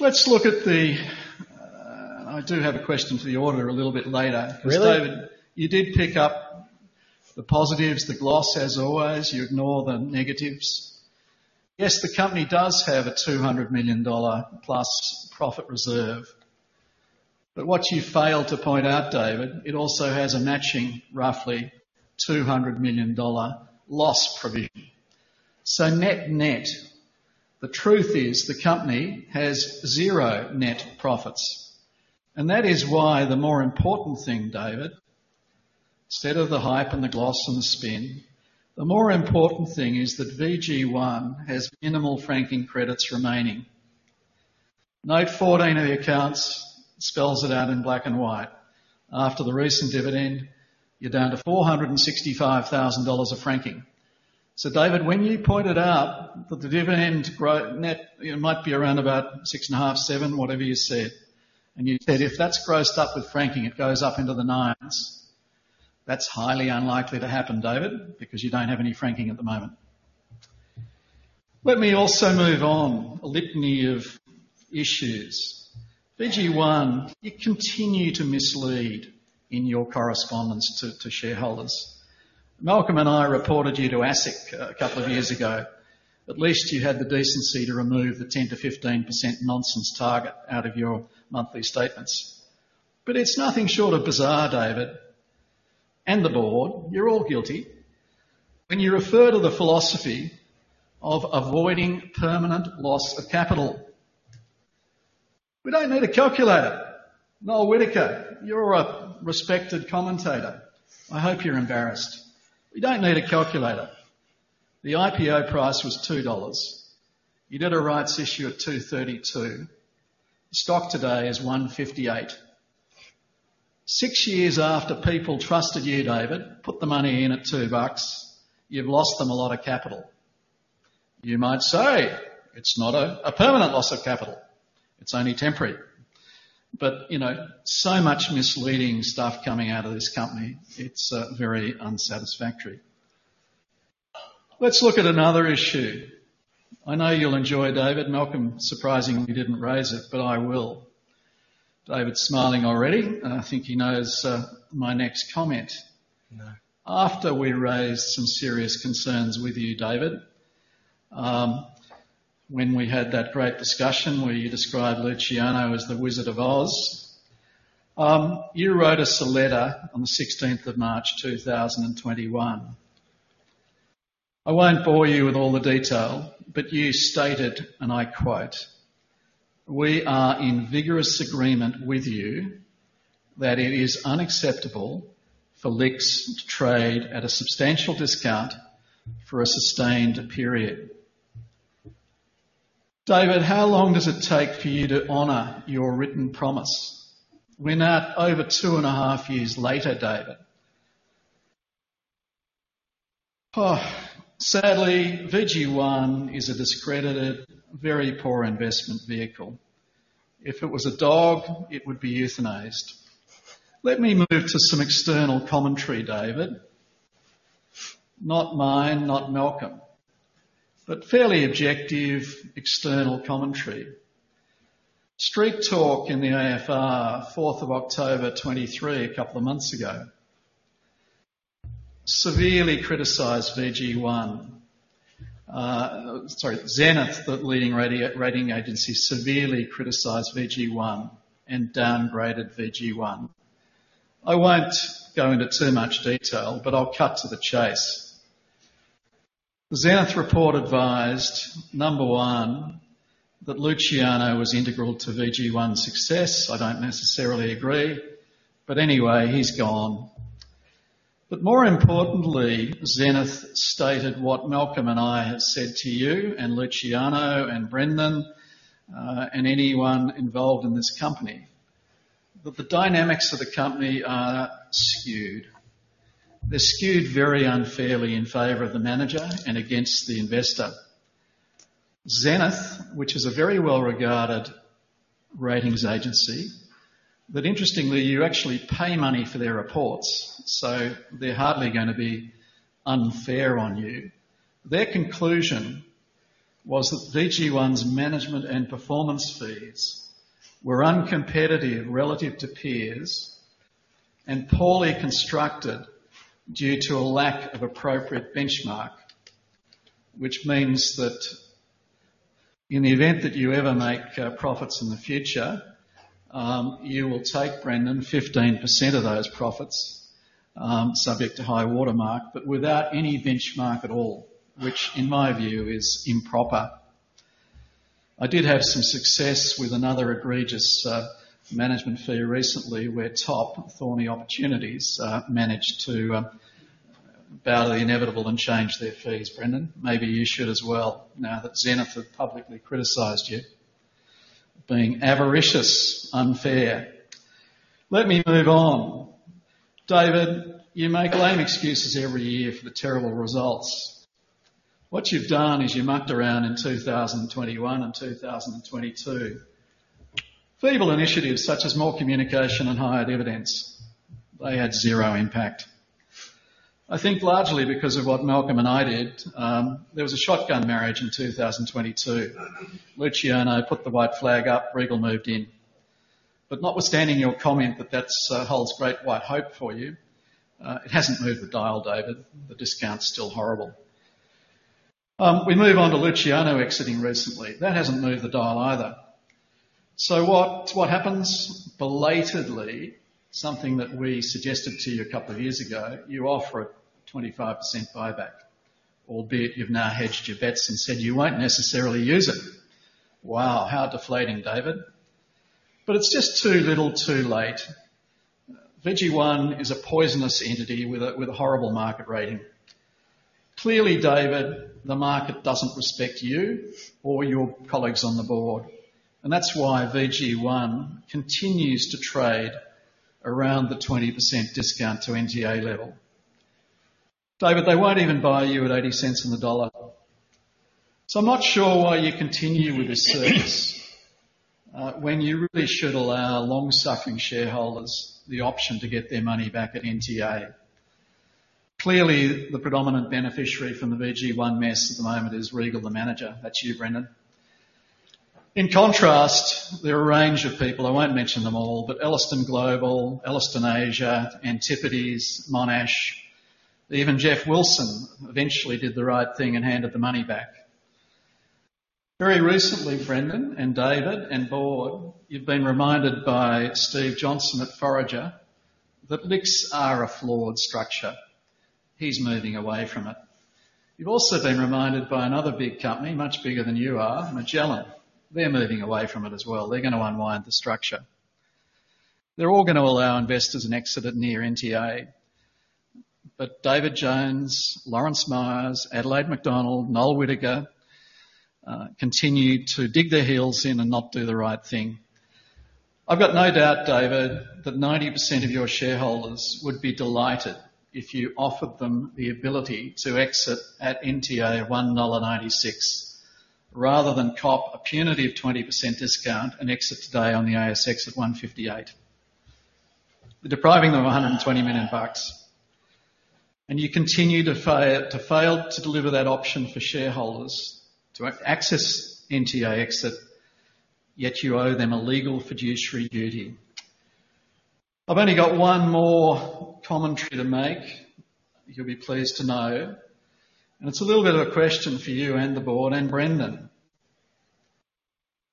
Let's look at the... I do have a question for the auditor a little bit later. Really? David, you did pick up the positives, the gloss, as always, you ignore the negatives. Yes, the company does have an 200 million dollar+ profit reserve, but what you failed to point out, David, it also has a matching, roughly, 200 million dollar loss provision. So net net, the truth is the company has zero net profits, and that is why the more important thing, David, instead of the hype and the gloss and the spin, the more important thing is that VG1 has minimal franking credits remaining. Note 14 of the accounts spells it out in black and white. After the recent dividend, you're down to 465,000 dollars of franking. So, David, when you pointed out that the dividend growth, net, it might be around about 6.5, 7, whatever you said, and you said, "If that's grossed up with franking, it goes up into the nines." That's highly unlikely to happen, David, because you don't have any franking at the moment. Let me also move on. A litany of issues. VG1, you continue to mislead in your correspondence to, to shareholders. Malcolm and I reported you to ASIC a couple of years ago. At least you had the decency to remove the 10%-15% nonsense target out of your monthly statements. But it's nothing short of bizarre, David, and the Board, you're all guilty, when you refer to the philosophy of avoiding permanent loss of capital. We don't need a calculator. Noel Whittaker, you're a respected commentator. I hope you're embarrassed. We don't need a calculator. The IPO price was 2 dollars. You did a rights issue at 2.32. The stock today is 1.58. Six years after people trusted you, David, put the money in at 2 bucks, you've lost them a lot of capital. You might say it's not a permanent loss of capital, it's only temporary. But, you know, so much misleading stuff coming out of this company, it's very unsatisfactory. Let's look at another issue. I know you'll enjoy, David. Malcolm surprisingly didn't raise it, but I will. David's smiling already, and I think he knows my next comment. No. After we raised some serious concerns with you, David, when we had that great discussion where you described Luciano as the Wizard of Oz, you wrote us a letter on the 16th of March, 2021. I won't bore you with all the detail, but you stated, and I quote: "We are in vigorous agreement with you that it is unacceptable for LICs to trade at a substantial discount for a sustained period." David, how long does it take for you to honor your written promise? We're now over 2.5 years later, David. Sadly, VG1 is a discredited, very poor investment vehicle. If it was a dog, it would be euthanized. Let me move to some external commentary, David. Not mine, not Malcolm, but fairly objective, external commentary. Street Talk in the AFR, 4th of October, 2023, a couple of months ago, severely criticized VG1. Zenith, the leading rating agency, severely criticized VG1 and downgraded VG1. I won't go into too much detail, but I'll cut to the chase. The Zenith report advised, number one, that Luciano was integral to VG1's success. I don't necessarily agree, but anyway, he's gone. But more importantly, Zenith stated what Malcolm and I have said to you and Luciano and Brendan and anyone involved in this company, that the dynamics of the company are skewed. They're skewed very unfairly in favor of the manager and against the investor. Zenith, which is a very well-regarded ratings agency, but interestingly, you actually pay money for their reports, so they're hardly gonna be unfair on you. Their conclusion was that VG1's management and performance fees were uncompetitive relative to peers and poorly constructed due to a lack of appropriate benchmark. Which means that in the event that you ever make profits in the future, you will take, Brendan, 15% of those profits, subject to High Water Mark, but without any benchmark at all, which in my view, is improper. I did have some success with another egregious management fee recently, where TOP, Thorney Opportunities, managed to bow to the inevitable and change their fees, Brendan. Maybe you should as well, now that Zenith have publicly criticized you for being avaricious, unfair. Let me move on. David, you make lame excuses every year for the terrible results. What you've done is you mucked around in 2021 and 2022. Feeble initiatives such as more communication and hired evidence, they had zero impact. I think largely because of what Malcolm and I did, there was a shotgun marriage in 2022. Luciano put the white flag up, Regal moved in. But notwithstanding your comment that that's holds great wide hope for you, it hasn't moved the dial, David. The discount's still horrible. We move on to Luciano exiting recently. That hasn't moved the dial either. So what, what happens? Belatedly, something that we suggested to you a couple of years ago, you offer a 25% buyback, albeit you've now hedged your bets and said you won't necessarily use it. Wow, how deflating, David! But it's just too little, too late. VG1 is a poisonous entity with a horrible market rating. Clearly, David, the market doesn't respect you or your colleagues on the Board, and that's why VG1 continues to trade around the 20% discount to NTA level. David, they won't even buy you at 0.80. So I'm not sure why you continue with this service, when you really should allow long-suffering shareholders the option to get their money back at NTA. Clearly, the predominant beneficiary from the VG1 mess at the moment is Regal, the manager. That's you, Brendan. In contrast, there are a range of people, I won't mention them all, but Ellerston Global, Ellerston Asia, Antipodes, Monash, even Geoff Wilson eventually did the right thing and handed the money back. Very recently, Brendan and David and Board, you've been reminded by Steve Johnson at Forager, that LICs are a flawed structure. He's moving away from it. You've also been reminded by another big company, much bigger than you are, Magellan, they're moving away from it as well. They're gonna unwind the structure.... They're all gonna allow investors an exit at near NTA. But David Jones, Lawrence Myers, Adelaide McDonald, Noel Whittaker, continue to dig their heels in and not do the right thing. I've got no doubt, David, that 90% of your shareholders would be delighted if you offered them the ability to exit at NTA of 1.96, rather than cop a punitive 20% discount and exit today on the ASX at 1.58. You're depriving them of 120 million bucks, and you continue to fail to deliver that option for shareholders to access NTA exit, yet you owe them a legal fiduciary duty. I've only got one more commentary to make, you'll be pleased to know, and it's a little bit of a question for you and the Board and Brendan.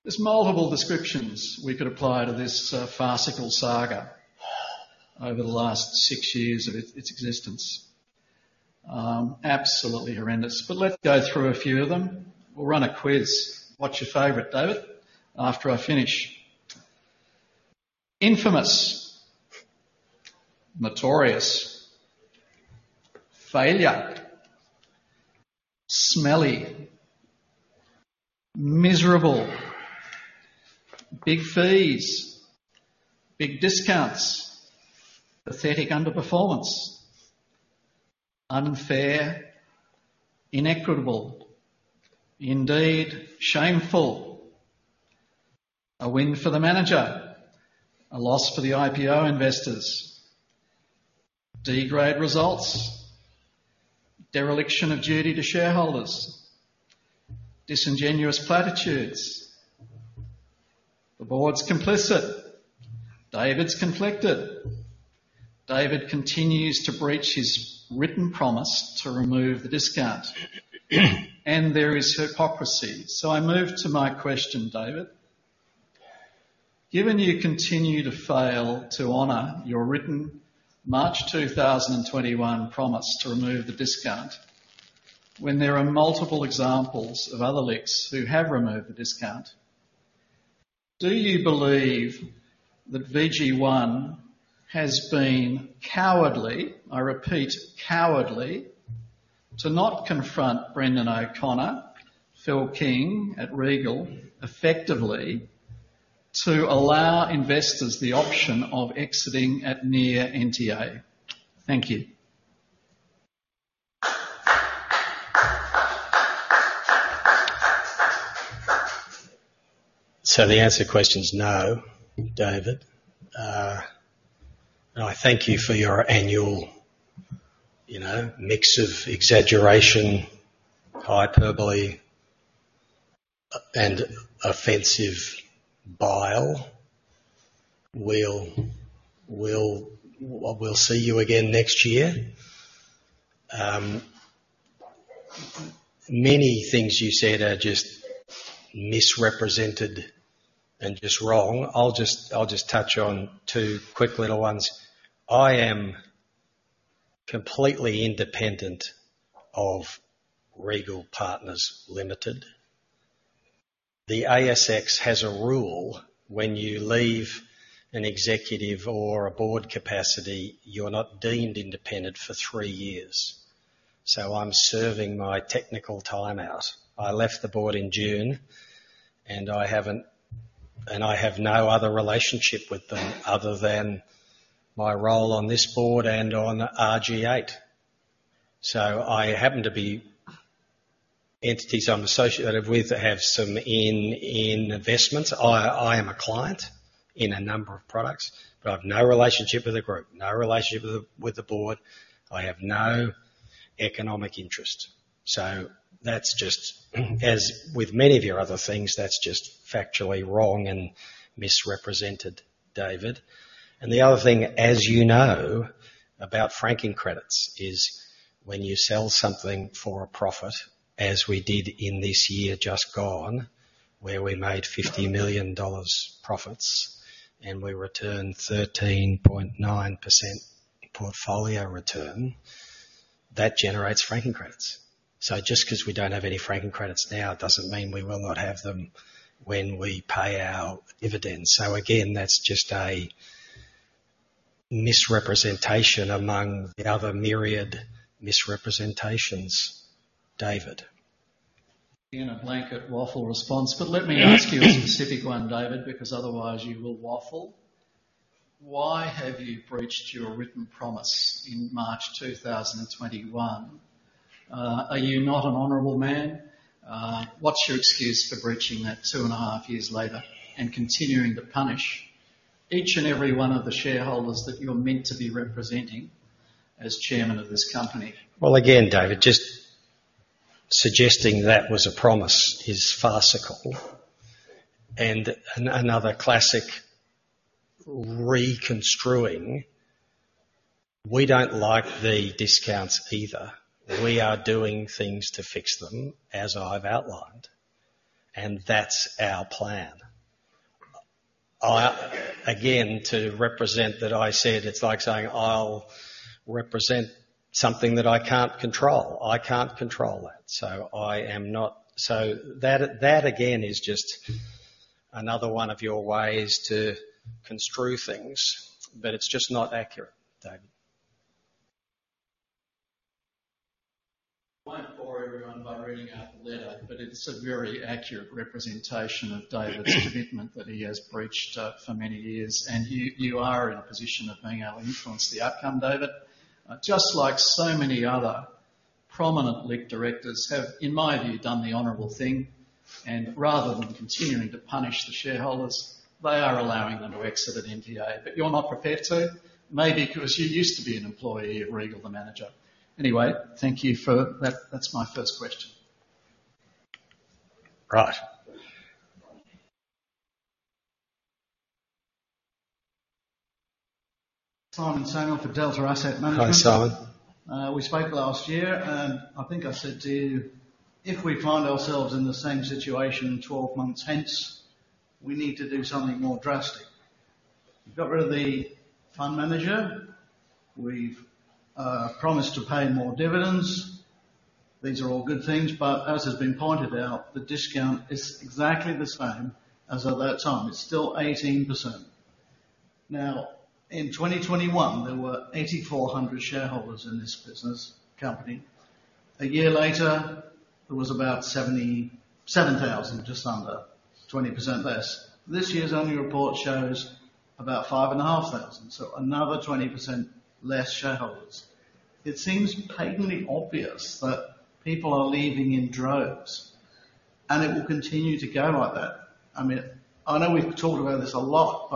There's multiple descriptions we could apply to this, farcical saga over the last six years of its, its existence. Absolutely horrendous, but let's go through a few of them. We'll run a quiz. What's your favorite, David? After I finish. Infamous, notorious, failure, smelly, miserable, big fees, big discounts, pathetic underperformance, unfair, inequitable, indeed shameful, a win for the manager, a loss for the IPO investors, D-grade results, dereliction of duty to shareholders, disingenuous platitudes. The Board's complicit. David's conflicted. David continues to breach his written promise to remove the discount, and there is hypocrisy. So I move to my question, David: Given you continue to fail to honor your written March 2021 promise to remove the discount, when there are multiple examples of other LICs who have removed the discount, do you believe that VG1 has been cowardly, I repeat, cowardly, to not confront Brendan O'Connor, Phil King at Regal, effectively, to allow investors the option of exiting at near NTA? Thank you. So the answer to the question is no, David. And I thank you for your annual, you know, mix of exaggeration, hyperbole, and offensive bile. We'll see you again next year. Many things you said are just misrepresented and just wrong. I'll just touch on two quick little ones. I am completely independent of Regal Partners Limited. The ASX has a rule when you leave an executive or a Board capacity, you're not deemed independent for three years. So I'm serving my technical timeout. I left the Board in June, and I haven't... and I have no other relationship with them other than my role on this Board and on RG8. So I happen to be, entities I'm associated with have some investments. I am a client in a number of products, but I've no relationship with the group, no relationship with the Board. I have no economic interest. So that's just, as with many of your other things, that's just factually wrong and misrepresented, David. And the other thing, as you know, about franking credits, is when you sell something for a profit, as we did in this year just gone, where we made 50 million dollars profits and we returned 13.9% portfolio return, that generates franking credits. So just 'cause we don't have any franking credits now, doesn't mean we will not have them when we pay our dividends. So again, that's just a misrepresentation among the other myriad misrepresentations, David. In a blanket waffle response, but let me ask you a specific one, David, because otherwise you will waffle. Why have you breached your written promise in March 2021? Are you not an honorable man? What's your excuse for breaching that 2.5 years later and continuing to punish each and every one of the shareholders that you're meant to be representing as chairman of this company? Well, again, David, just suggesting that was a promise is farcical and another classic re-construing. We don't like the discounts either. We are doing things to fix them, as I've outlined, and that's our plan. I, again, to represent that, I said, it's like saying: I'll represent something that I can't control. I can't control that, so I am not. So that, that again, is just another one of your ways to construe things, but it's just not accurate, David. I won't bore everyone by reading out the letter, but it's a very accurate representation of David's commitment that he has breached for many years, and you, you are in a position of being able to influence the outcome, David. Just like so many other prominent LIC directors have, in my view, done the honorable thing, and rather than continuing to punish the shareholders, they are allowing them to exit at NTA. But you're not prepared to, maybe because you used to be an employee of Regal, the manager. Anyway, thank you for that. That's my first question. Right. Simon Samuel for Delta Asset Management. Hi, Simon. We spoke last year, and I think I said to you, "If we find ourselves in the same situation 12 months hence, we need to do something more drastic." You've got rid of the fund manager. We've promised to pay more dividends. These are all good things, but as has been pointed out, the discount is exactly the same as at that time. It's still 18%. Now, in 2021, there were 8,400 shareholders in this business company. A year later, there was about 77,000, just under, 20% less. This year's annual report shows about 5,500, so another 20% less shareholders. It seems patently obvious that people are leaving in droves, and it will continue to go like that. I mean, I know we've talked about this a lot,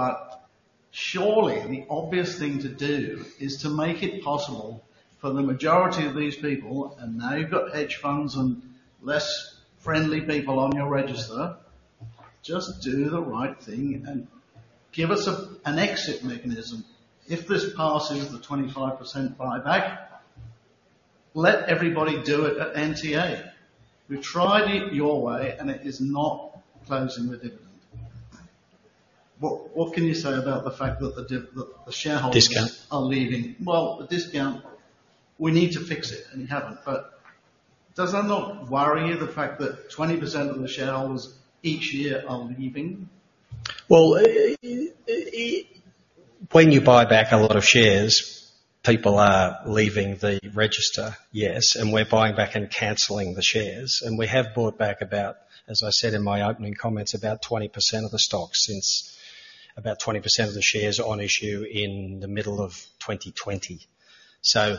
but surely the obvious thing to do is to make it possible for the majority of these people, and now you've got hedge funds and less friendly people on your register, just do the right thing and give us a, an exit mechanism. If this passes the 25% buyback, let everybody do it at NTA. We've tried it your way, and it is not closing the dividend. What, what can you say about the fact that the div-- that the shareholders- Discount Are leaving? Well, the discount, we need to fix it, and you haven't. But does that not worry you, the fact that 20% of the shareholders each year are leaving? Well, when you buy back a lot of shares, people are leaving the register, yes, and we're buying back and canceling the shares. And we have bought back about, as I said in my opening comments, about 20% of the stocks since... about 20% of the shares on issue in the middle of 2020. So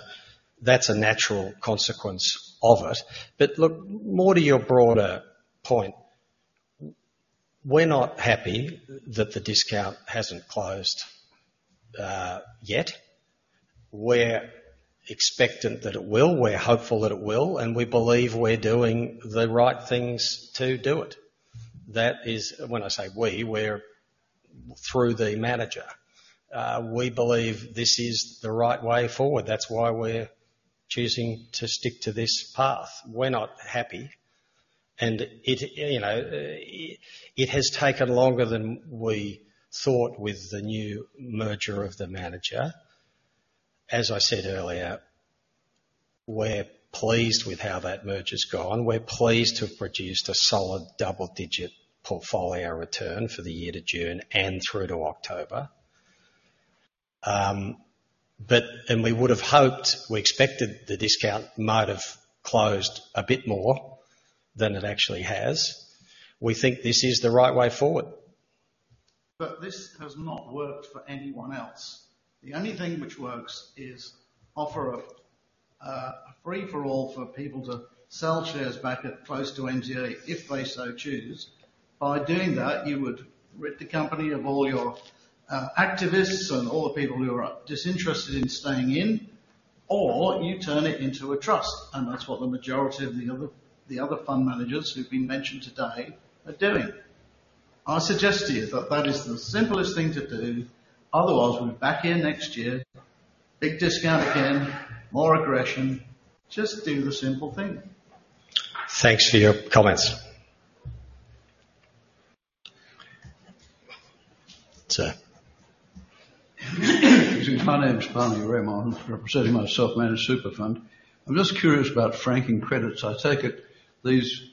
that's a natural consequence of it. But look, more to your broader point, we're not happy that the discount hasn't closed yet. We're expectant that it will. We're hopeful that it will, and we believe we're doing the right things to do it. That is, when I say we, we're through the manager. We believe this is the right way forward. That's why we're choosing to stick to this path. We're not happy, and, you know, it has taken longer than we thought with the new merger of the manager. As I said earlier, we're pleased with how that merger's gone. We're pleased to have produced a solid double-digit portfolio return for the year to June and through to October. But we would have hoped, we expected the discount might have closed a bit more than it actually has. We think this is the right way forward. But this has not worked for anyone else. The only thing which works is offer a free-for-all for people to sell shares back at close to NTA, if they so choose. By doing that, you would rid the company of all your activists and all the people who are disinterested in staying in, or you turn it into a trust, and that's what the majority of the other fund managers who've been mentioned today are doing. I suggest to you that that is the simplest thing to do. Otherwise, we'll be back here next year, big discount again, more aggression. Just do the simple thing. Thanks for your comments. Sir? My names is Barney Raymond, representing my self-managed super fund. I'm just curious about franking credits. I take it these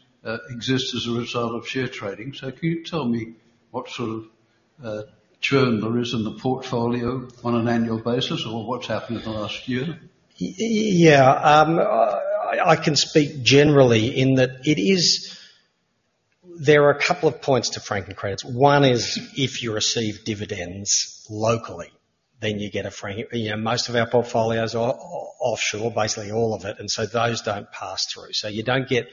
exist as a result of share trading. So can you tell me what sort of turnover is in the portfolio on an annual basis or what's happened in the last year? Yeah, I can speak generally in that it is... There are a couple of points to franking credits. One is, if you receive dividends locally, then you get a franking. You know, most of our portfolios are offshore, basically all of it, and so those don't pass through. So you don't get,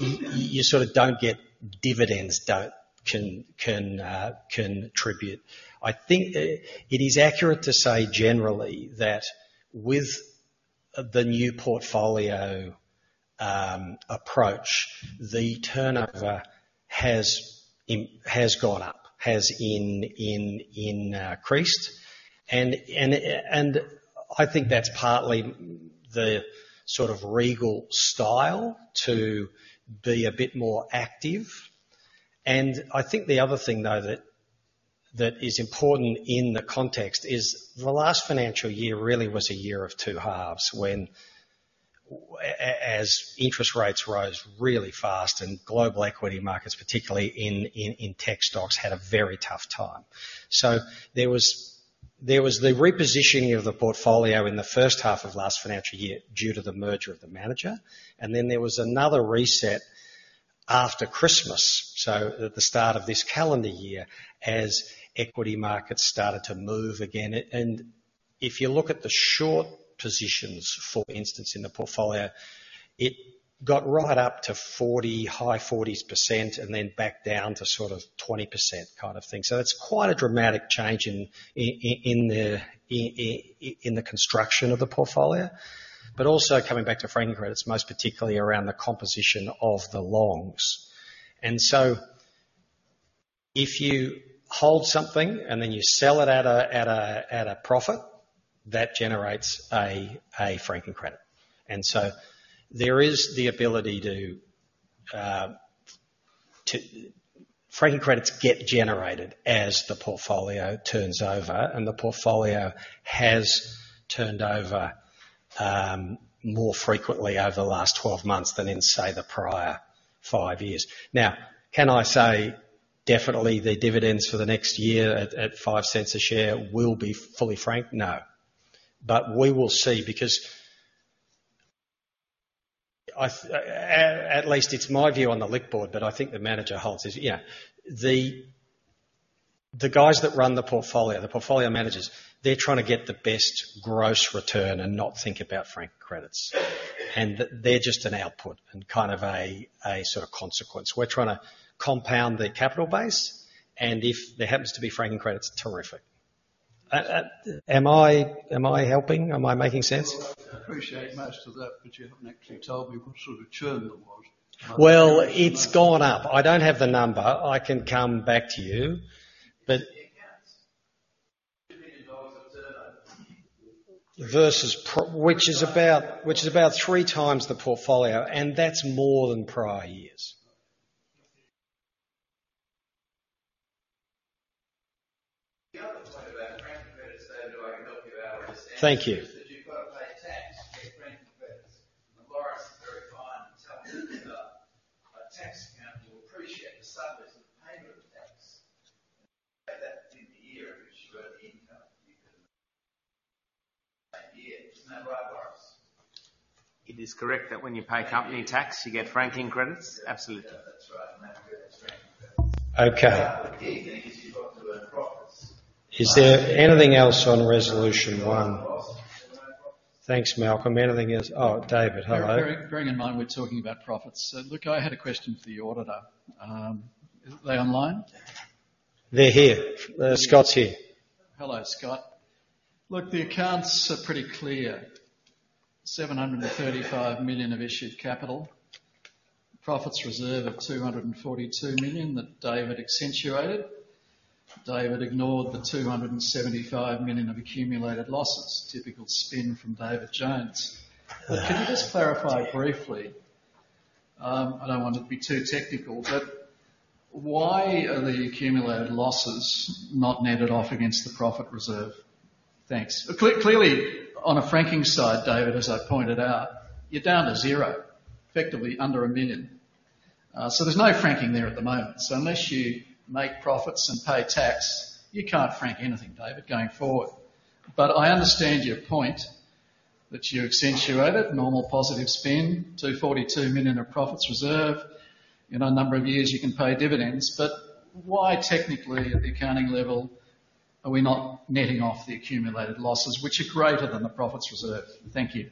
you sort of don't get dividends that can attribute. I think it is accurate to say generally, that with the new portfolio approach, the turnover has gone up, has increased. And I think that's partly the sort of Regal style to be a bit more active.... And I think the other thing, though, that is important in the context is the last financial year really was a year of two halves, when as interest rates rose really fast and global equity markets, particularly in tech stocks, had a very tough time. So there was the repositioning of the portfolio in the first half of last financial year due to the merger of the manager, and then there was another reset after Christmas, so at the start of this calendar year, as equity markets started to move again. And if you look at the short positions, for instance, in the portfolio, it got right up to 40%, high 40% and then back down to sort of 20% kind of thing. So it's quite a dramatic change in the construction of the portfolio, but also coming back to franking credits, most particularly around the composition of the longs. And so if you hold something and then you sell it at a profit, that generates a franking credit. And so there is the ability to... Franking credits get generated as the portfolio turns over, and the portfolio has turned over more frequently over the last 12 months than in, say, the prior five years. Now, can I say definitely the dividends for the next year at 0.05 a share will be fully franked? No, but we will see, because at least it's my view on the LIC Board, but I think the manager holds is... Yeah. The guys that run the portfolio, the portfolio managers, they're trying to get the best gross return and not think about franking credits. And they're just an output and kind of a sort of consequence. We're trying to compound the capital base, and if there happens to be franking credits, terrific. Am I helping? Am I making sense? Well, I appreciate most of that, but you haven't actually told me what sort of churn there was. Well, it's gone up. I don't have the number. I can come back to you, but it gets AUD 2 billion of turnover versus, which is about, which is about three times the portfolio, and that's more than prior years. The other point about franking credits, though, I can help you out, I understand. Thank you. (audio distortion) It is correct that when you pay company tax, you get franking credits? Absolutely. Yeah, that's right, and that's good. Okay. Is there anything else on resolution one? Thanks, Malcolm. Anything else? Oh, David, hello. Bearing in mind we're talking about profits. So look, I had a question for the auditor. Are they online? They're here. Scott's here. Hello, Scott. Look, the accounts are pretty clear. 735 million of issued capital, profits reserve of 242 million that David accentuated. David ignored the 275 million of accumulated losses. Typical spin from David Jones. But can you just clarify briefly, I don't want to be too technical, but why are the accumulated losses not netted off against the profit reserve? Thanks. Clearly, on a franking side, David, as I pointed out, you're down to zero, effectively under a million. So there's no franking there at the moment. So unless you make profits and pay tax, you can't frank anything, David, going forward. But I understand your point, which you accentuated, normal positive spin, 242 million of profits reserve. In a number of years, you can pay dividends, but why, technically, at the accounting level, are we not netting off the accumulated losses, which are greater than the profits reserve? Thank you.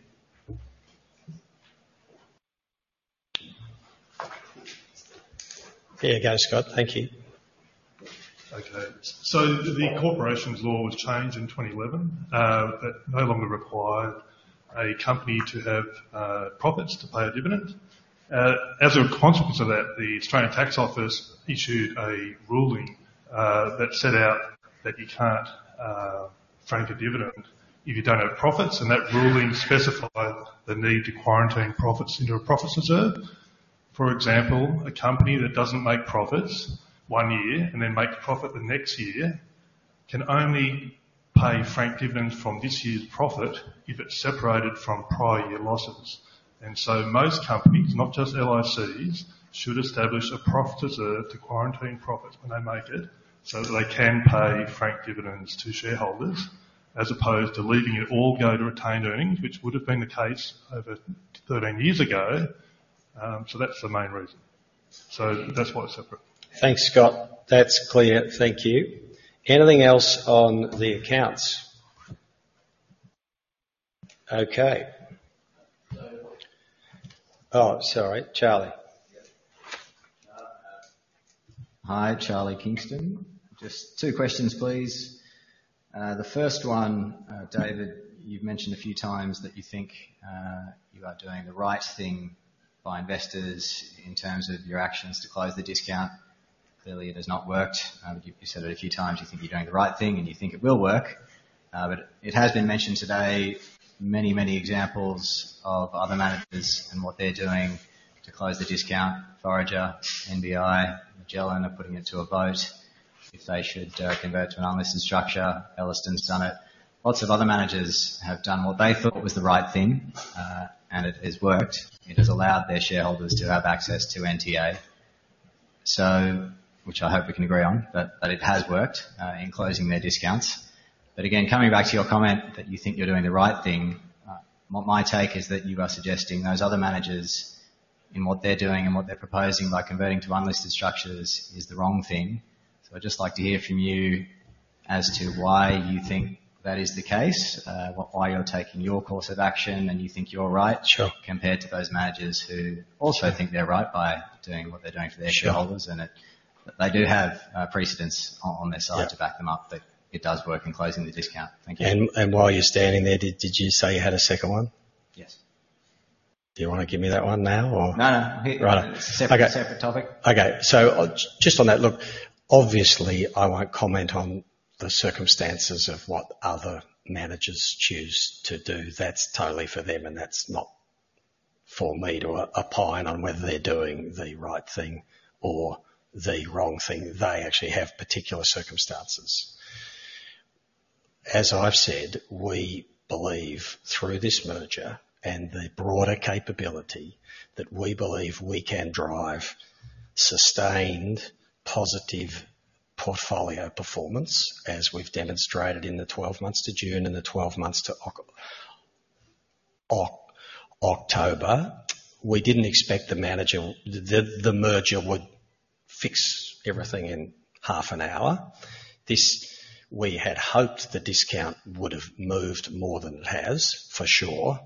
There you go, Scott. Thank you. Okay, so the Corporations Law was changed in 2011, that no longer required a company to have, profits to pay a dividend. As a consequence of that, the Australian Tax Office issued a ruling, that set out that you can't, frank a dividend if you don't have profits, and that ruling specified the need to quarantine profits into a profits reserve. For example, a company that doesn't make profits one year and then makes a profit the next year, can only pay franked dividends from this year's profit if it's separated from prior year losses. And so most companies, not just LIC, should establish a profit reserve to quarantine profits when they make it, so that they can pay franked dividends to shareholders, as opposed to leaving it all go to retained earnings, which would have been the case over 13 years ago. That's the main reason. So that's why it's separate. Thanks, Scott. That's clear. Thank you. Anything else on the accounts? Okay. Oh, sorry, Charlie. Hi, Charlie Kingston. Just two questions, please. The first one, David, you've mentioned a few times that you think you are doing the right thing by investors in terms of your actions to close the discount. Clearly, it has not worked. You said it a few times, you think you're doing the right thing and you think it will work. But it has been mentioned today, many, many examples of other managers and what they're doing to close the discount. Forager, NBI, Magellan are putting it to a vote if they should convert to an unlisted structure. Ellerston's done it. Lots of other managers have done what they thought was the right thing, and it has worked. It has allowed their shareholders to have access to NTA. So... Which I hope we can agree on, but it has worked in closing their discounts. But again, coming back to your comment that you think you're doing the right thing, what my take is that you are suggesting those other managers, in what they're doing and what they're proposing by converting to unlisted structures, is the wrong thing. So I'd just like to hear from you as to why you think that is the case, why you're taking your course of action, and you think you're right- Sure. compared to those managers who also think they're right by doing what they're doing for their shareholders. They do have precedence on their side- Yeah. to back them up, that it does work in closing the discount. Thank you. While you're standing there, did you say you had a second one? Yes. Do you wanna give me that one now, or? No, no. All right. Separate, separate topic. Okay. So just on that, look, obviously I won't comment on the circumstances of what other managers choose to do. That's totally for them, and that's not for me to opine on whether they're doing the right thing or the wrong thing. They actually have particular circumstances. As I've said, we believe through this merger and the broader capability, that we believe we can drive sustained positive portfolio performance, as we've demonstrated in the 12 months to June and the 12 months to October. We didn't expect the merger would fix everything in half an hour. This, we had hoped the discount would've moved more than it has, for sure,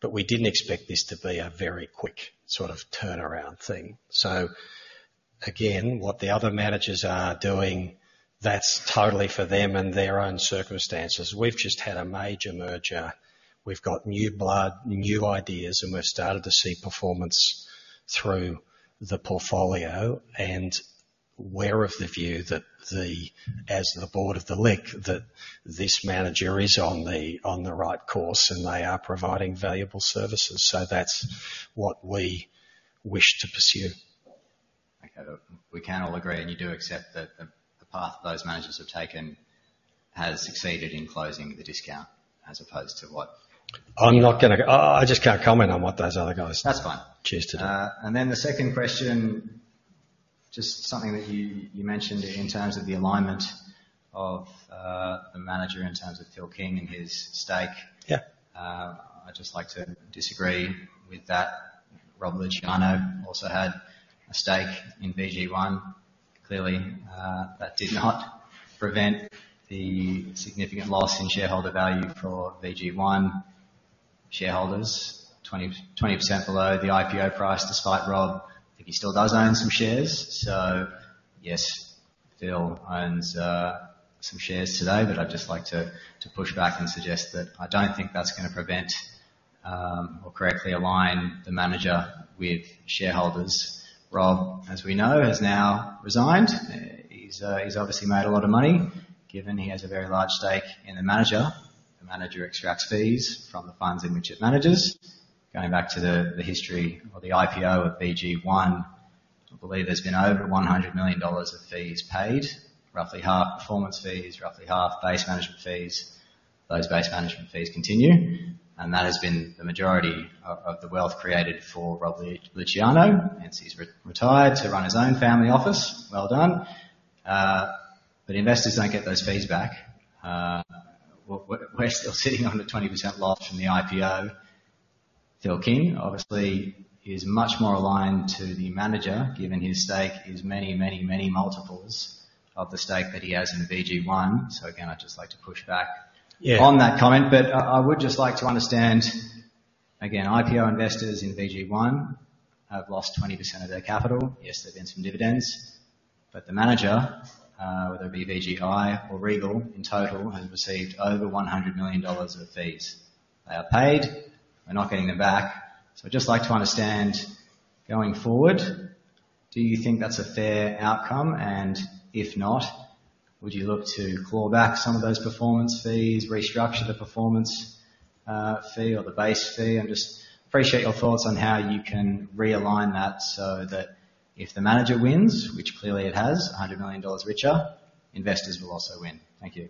but we didn't expect this to be a very quick sort of turnaround thing. So again, what the other managers are doing, that's totally for them and their own circumstances. We've just had a major merger. We've got new blood, new ideas, and we've started to see performance through the portfolio. We're of the view that the, as the Board of the LIC, that this manager is on the, on the right course, and they are providing valuable services, so that's what we wish to pursue. Okay. We can all agree, and you do accept that the path those managers have taken has succeeded in closing the discount as opposed to what you- I'm not gonna... I just can't comment on what those other guys- That's fine. choose to do. And then the second question, just something that you, you mentioned in terms of the alignment of, the manager, in terms of Phil King and his stake. Yeah. I'd just like to disagree with that. Rob Luciano also had a stake in VG1. Clearly, that did not prevent the significant loss in shareholder value for VG1 shareholders. 20% below the IPO price, despite Rob, I think he still does own some shares. So yes, Phil owns some shares today, but I'd just like to push back and suggest that I don't think that's gonna prevent or correctly align the manager with shareholders. Rob, as we know, has now resigned. He's obviously made a lot of money, given he has a very large stake in the manager. The manager extracts fees from the funds in which it manages. Going back to the history or the IPO of VG1, I believe there's been over 100 million dollars of fees paid, roughly half performance fees, roughly half base management fees. Those base management fees continue, and that has been the majority of the wealth created for Rob Luciano, and he's retired to run his own family office. Well done. But investors don't get those fees back. We're still sitting on the 20% loss from the IPO. Phil King, obviously, he's much more aligned to the manager, given his stake is many, many, many multiples of the stake that he has in the VG1. So again, I'd just like to push back- Yeah On that comment. But I, I would just like to understand, again, IPO investors in VG1 have lost 20% of their capital. Yes, there's been some dividends, but the manager, whether it be VGI or Regal in total, has received over 100 million dollars of fees. They are paid; we're not getting them back. So I'd just like to understand, going forward, do you think that's a fair outcome? And if not, would you look to claw back some of those performance fees, restructure the performance fee or the base fee? I just appreciate your thoughts on how you can realign that so that if the manager wins, which clearly it has, 100 million dollars richer, investors will also win. Thank you.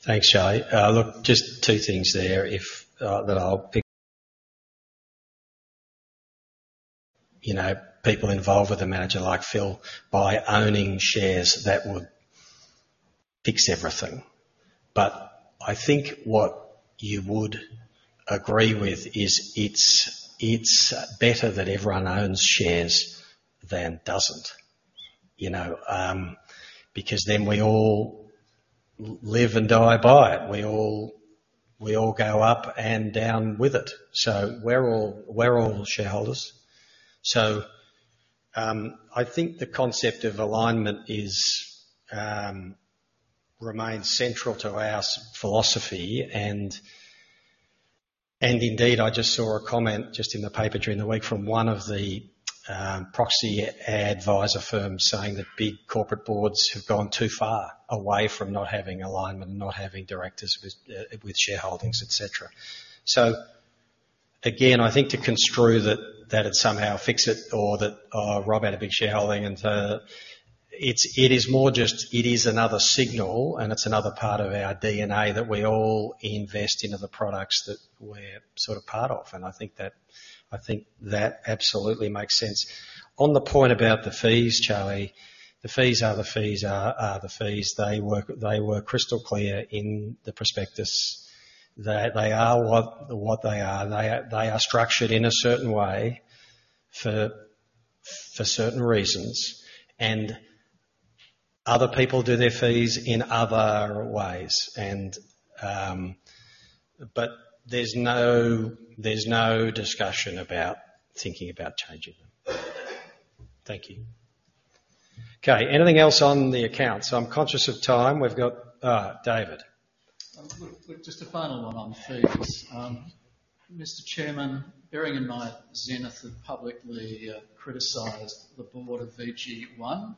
Thanks, Charlie. Look, just two things there, if that I'll pick. You know, people involved with a manager like Phil, by owning shares, that would fix everything. But I think what you would agree with is, it's better that everyone owns shares than doesn't, you know? Because then we all live and die by it. We all go up and down with it. So we're all shareholders. So, I think the concept of alignment remains central to our philosophy, and. And indeed, I just saw a comment just in the paper during the week from one of the proxy advisor firms saying that big corporate boards have gone too far away from not having alignment, not having directors with shareholdings, et cetera. So again, I think to construe that it's somehow fix it or that oh Rob had a big shareholding, and it's more just it is another signal, and it's another part of our DNA that we all invest into the products that we're sort of part of, and I think that absolutely makes sense. On the point about the fees, Charlie, the fees are the fees. They were crystal clear in the prospectus that they are what they are. They are structured in a certain way for certain reasons, and other people do their fees in other ways. But there's no discussion about thinking about changing them. Thank you. Okay, anything else on the accounts? I'm conscious of time. We've got David. Just a final one on fees. Mr. Chairman, bearing in mind Zenith have publicly criticized the Board of VG1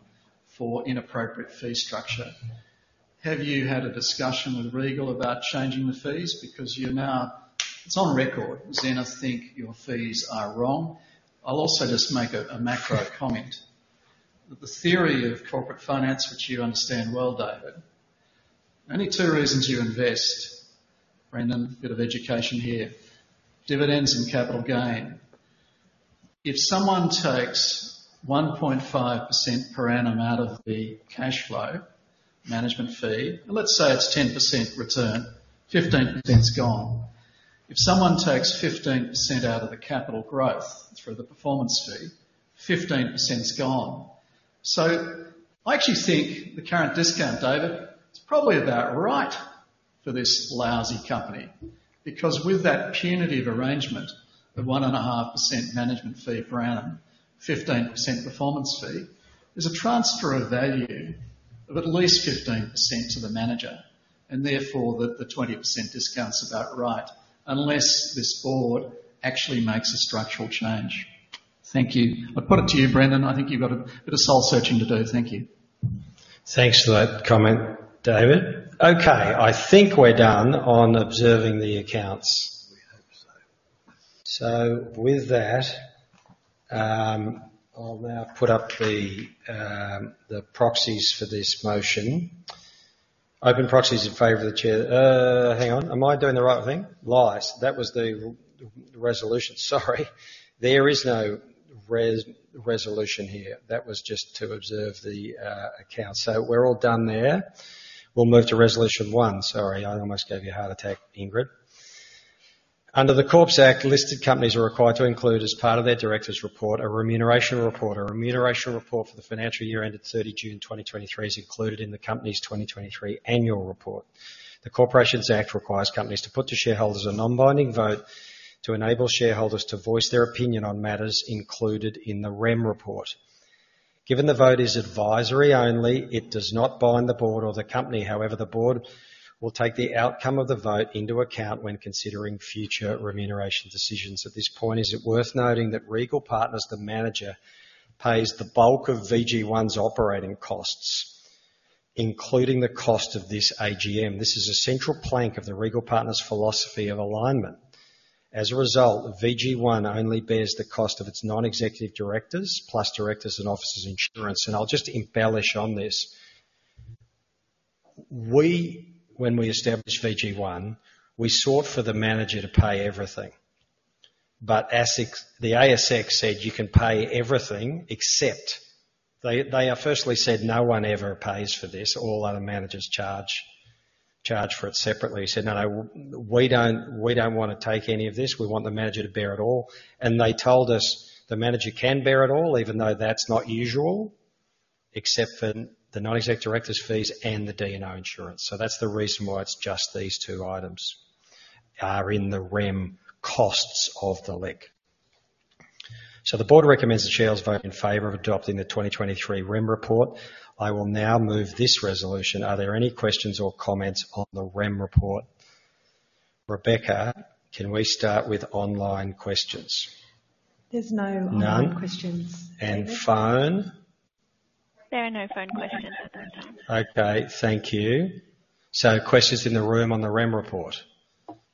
for inappropriate fee structure, have you had a discussion with Regal about changing the fees? Because you're now... It's on record, Zenith think your fees are wrong. I'll also just make a macro comment, that the theory of corporate finance, which you understand well, David, only two reasons you invest, Brendan, a bit of education here, dividends and capital gain. If someone takes 1.5% per annum out of the cash flow management fee, and let's say it's 10% return, 15%'s gone. If someone takes 15% out of the capital growth through the performance fee, 15%'s gone. So I actually think the current discount, David, is probably about right for this lousy company, because with that punitive arrangement of 1.5% management fee per annum, 15% performance fee, there's a transfer of value of at least 15% to the manager, and therefore, the 20% discount's about right, unless this Board actually makes a structural change. Thank you. I put it to you, Brendan, I think you've got a bit of soul searching to do. Thank you. Thanks for that comment, David. Okay, I think we're done on observing the accounts. We hope so. So with that, I'll now put up the proxies for this motion. Open proxies in favor of the chair. Hang on. Am I doing the right thing? Yes. That was the resolution. Sorry. There is no resolution here. That was just to observe the accounts. So we're all done there. We'll move to resolution one. Sorry, I almost gave you a heart attack, Ingrid. Under the Corporations Act, listed companies are required to include, as part of their directors' report, a remuneration report. A remuneration report for the financial year ended 30 June 2023 is included in the company's 2023 annual report. The Corporations Act requires companies to put to shareholders a non-binding vote to enable shareholders to voice their opinion on matters included in the REM report. Given the vote is advisory only, it does not bind the Board or the company. However, the Board will take the outcome of the vote into account when considering future remuneration decisions. At this point, is it worth noting that Regal Partners, the manager, pays the bulk of VG1's operating costs, including the cost of this AGM? This is a central plank of the Regal Partners' philosophy of alignment. As a result, VG1 only bears the cost of its non-executive directors, plus directors' and officers' insurance. And I'll just embellish on this. We, when we established VG1, we sought for the manager to pay everything. But ASIC, the ASX said, "You can pay everything, except..." They firstly said, "No one ever pays for this. All other managers charge for it separately." We said, "No, no, we don't want to take any of this. We want the manager to bear it all." And they told us, "The manager can bear it all, even though that's not usual, except for the non-executive directors' fees and the D&O insurance." So that's the reason why it's just these two items are in the REM costs of the LIC. So the Board recommends the shareholders vote in favor of adopting the 2023 REM report. I will now move this resolution. Are there any questions or comments on the REM report? Rebecca, can we start with online questions? There's no online- None? -questions. And phone? There are no phone questions at this time. Okay, thank you. So questions in the room on the REM Report.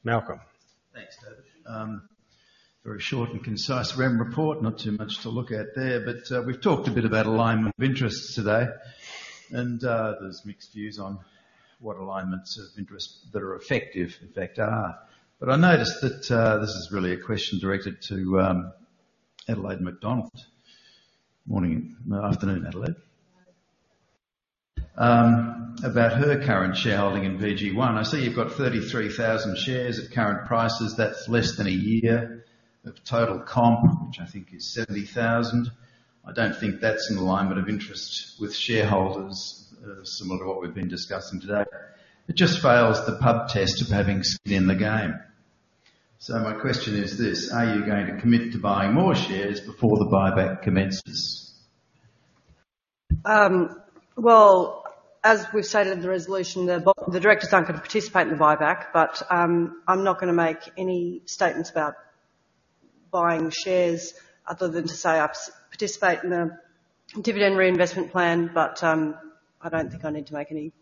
Malcolm? Thanks, David. Very short and concise REM Report. Not too much to look at there, but we've talked a bit about alignment of interests today, and there's mixed views on what alignments of interests that are effective, in fact, are. But I noticed that this is really a question directed to Adelaide McDonald. Morning, afternoon, Adelaide. Hi. About her current shareholding in VG1. I see you've got 33,000 shares at current prices. That's less than a year of total comp, which I think is 70,000. I don't think that's an alignment of interest with shareholders, similar to what we've been discussing today. It just fails the pub test of having skin in the game. So my question is this: Are you going to commit to buying more shares before the buyback commences? .Well, as we've stated in the resolution, the directors aren't going to participate in the buyback, but I'm not gonna make any statements about buying shares other than to say I participate in the dividend reinvestment plan. But I don't think I need to make any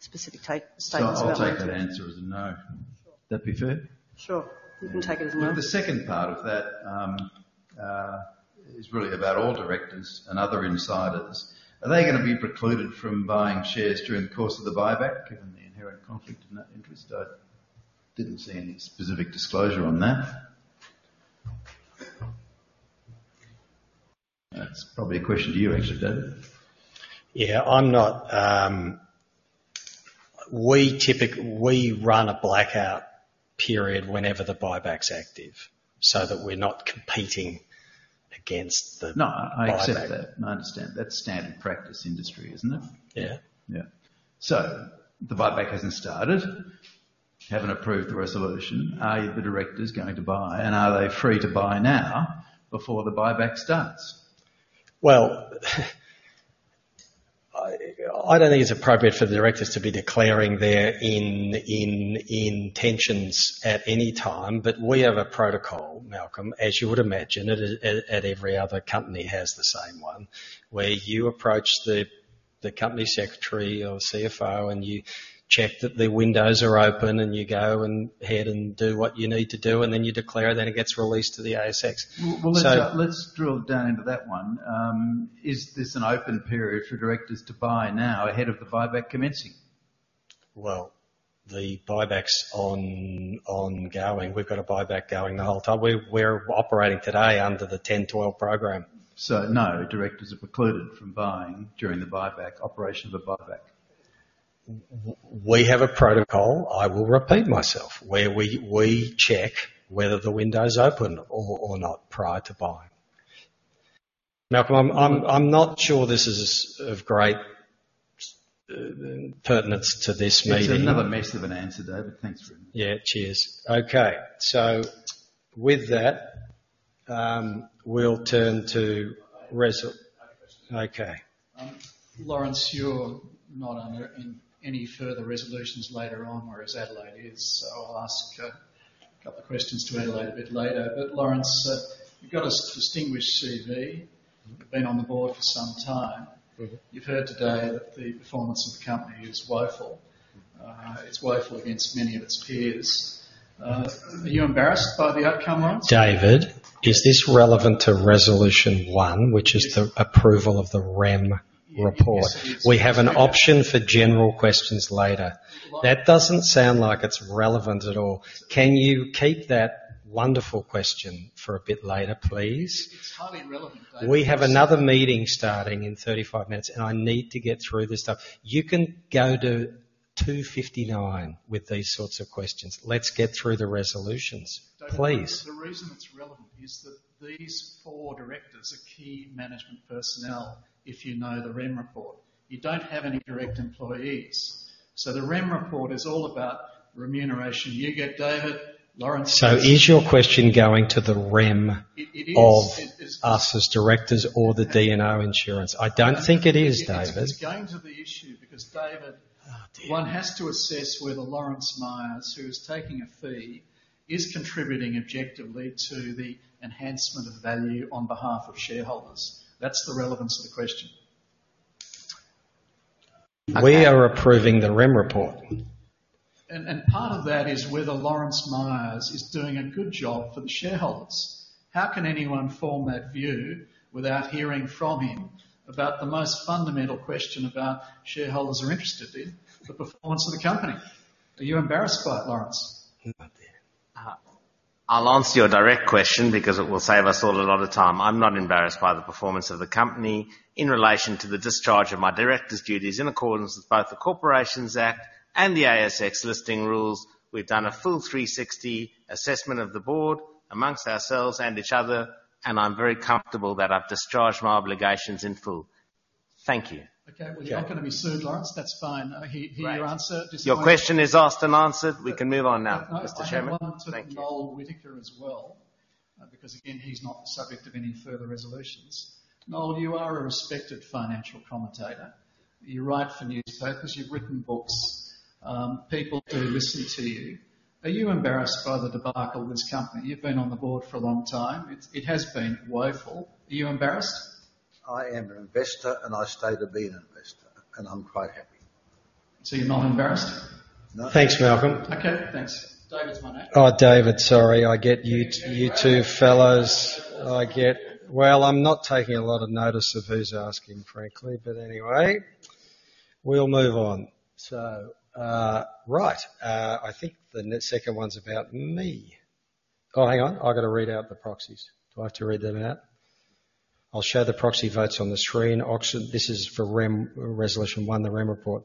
specific statements about it. So I'll take that answer as a no. Sure. Would that be fair? Sure, you can take it as a no. The second part of that is really about all directors and other insiders. Are they gonna be precluded from buying shares during the course of the buyback, given the inherent conflict in that interest? I didn't see any specific disclosure on that. That's probably a question to you, actually, David. Yeah, I'm not... We run a blackout period whenever the buyback's active, so that we're not competing against the- No, I accept that. Buyback. I understand. That's standard practice industry, isn't it? Yeah. Yeah. So the buyback hasn't started. You haven't approved the resolution. Are the directors going to buy, and are they free to buy now before the buyback starts? Well, I don't think it's appropriate for the directors to be declaring their intentions at any time. But we have a protocol, Malcolm, as you would imagine, that every other company has the same one, where you approach the company secretary or CFO, and you check that the windows are open, and you go ahead and do what you need to do, and then you declare, then it gets released to the ASX. So- Well, let's, let's drill down into that one. Is this an open period for directors to buy now ahead of the buyback commencing? Well, the buyback's on, ongoing. We've got a buyback going the whole time. We're operating today under the 10/12 program. No, directors are precluded from buying during the buyback, operation of the buyback? We have a protocol, I will repeat myself, where we check whether the window is open or not prior to buying. Malcolm, I'm not sure this is of great pertinence to this meeting. That's another mess of an answer, David. Thanks for it. Yeah, cheers. Okay, so with that, we'll turn to reso- I have a question. Okay. Lawrence, you're not in any further resolutions later on, whereas Adelaide is. So I'll ask a couple of questions to Adelaide a bit later. But Lawrence, you've got a distinguished CV. Mm-hmm. You've been on the Board for some time. Mm-hmm. You've heard today that the performance of the company is woeful. It's woeful against many of its peers. Are you embarrassed by the outcome, Lawrence? David, is this relevant to Resolution 1, which is the approval of the REM Report? Yes, it is. We have an option for general questions later. Well- That doesn't sound like it's relevant at all. Can you keep that wonderful question for a bit later, please? It's highly relevant, David. We have another meeting starting in 35 minutes, and I need to get through this stuff. You can go to 259 with these sorts of questions. Let's get through the resolutions, please. The reason it's relevant is that these four directors are key management personnel, if you know the REM Report. You don't have any direct employees, so the REM Report is all about remuneration. You get, David, Lawrence- So is your question going to the REM? It is- of us as directors or the D&O insurance? I don't think it is, David. It's going to the issue, because, David- Oh, dear One has to assess whether Lawrence Myers, who is taking a fee, is contributing objectively to the enhancement of value on behalf of shareholders. That's the relevance of the question. We are approving the REM report. And part of that is whether Lawrence Myers is doing a good job for the shareholders. How can anyone form that view without hearing from him about the most fundamental question about shareholders are interested in, the performance of the company? Are you embarrassed by it, Lawrence? Oh, dear. I'll answer your direct question because it will save us all a lot of time. I'm not embarrassed by the performance of the company in relation to the discharge of my directors' duties in accordance with both the Corporations Act and the ASX listing rules. We've done a full 360 assessment of the Board amongst ourselves and each other, and I'm very comfortable that I've discharged my obligations in full. Thank you. Okay, well, you're not gonna be sued, Lawrence. That's fine. I hear, hear your answer. Your question is asked and answered. We can move on now, Mr. Chairman. Thank you. I have one to Noel Whittaker as well, because, again, he's not the subject of any further resolutions. Noel, you are a respected financial commentator. You write for newspapers, you've written books, people do listen to you. Are you embarrassed by the debacle of this company? You've been on the Board for a long time. It's, it has been woeful. Are you embarrassed? I am an investor, and I'm quite happy. So you're not embarrassed? No. Thanks, Malcolm. Okay, thanks. David's my name. Oh, David. Sorry. I get you two, you two fellows. Well, I'm not taking a lot of notice of who's asking, frankly, but anyway, we'll move on. So, right, I think the next one's about me. Oh, hang on, I've got to read out the proxies. Do I have to read them out? I'll show the proxy votes on the screen. Okay, this is for REM, Resolution 1, the REM report.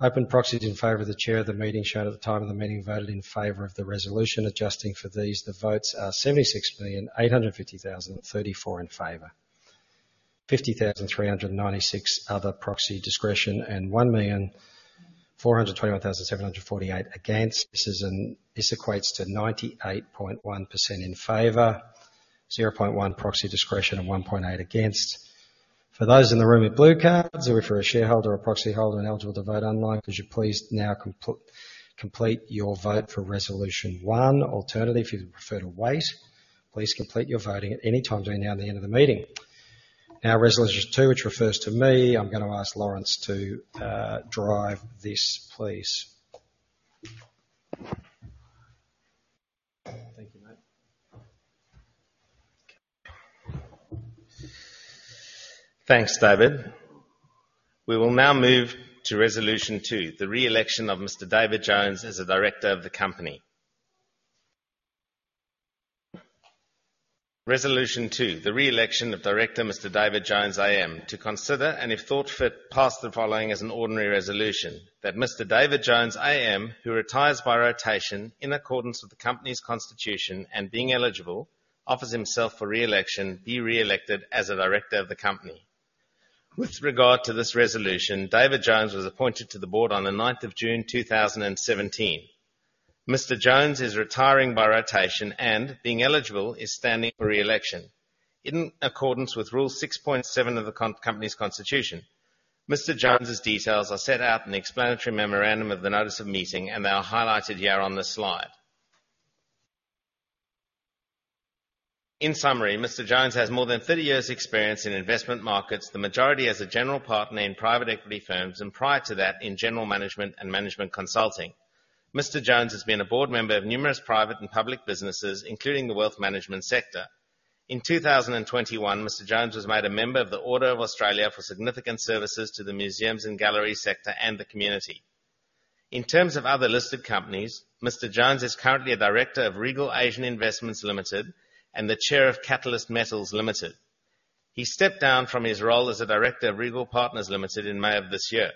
Open proxies in favor of the chair of the meeting shown at the time of the meeting, voted in favor of the resolution. Adjusting for these, the votes are 76,850,034 in favor, 50,396 other proxy discretion, and 1,421,748 against. This equates to 98.1% in favor, 0.1 proxy discretion, and 1.8% against. For those in the room with blue cards, whether you're a shareholder or proxy holder and eligible to vote online, could you please now complete your vote for Resolution 1? Alternatively, if you'd prefer to wait, please complete your voting at any time between now and the end of the meeting. Now, Resolution 1, which refers to me, I'm gonna ask Lawrence to drive this, please. Thank you, mate. Thanks, David. We will now move to Resolution 1, the re-election of Mr. David Jones as a director of the company. Resolution 1, the re-election of director, Mr. David Jones AM, to consider, and if thought fit, pass the following as an ordinary resolution: That Mr. David Jones AM, who retires by rotation in accordance with the company's constitution, and being eligible, offers himself for re-election, be re-elected as a director of the company. With regard to this resolution, David Jones was appointed to the Board on the 9th of June, 2017. Mr. Jones is retiring by rotation and, being eligible, is standing for re-election. In accordance with Rule 6.7 of the company's constitution, Mr. Jones's details are set out in the explanatory memorandum of the notice of meeting, and they are highlighted here on this slide. In summary, Mr. Jones has more than 30 years' experience in investment markets, the majority as a general partner in private equity firms, and prior to that, in general management and management consulting. Mr. Jones has been a Board member of numerous private and public businesses, including the wealth management sector. In 2021, Mr. Jones was made a member of the Order of Australia for significant services to the museums and galleries sector and the community. In terms of other listed companies, Mr. Jones is currently a director of Regal Asian Investments Limited and the chair of Catalyst Metals Limited. He stepped down from his role as a director of Regal Partners Limited in May of this year.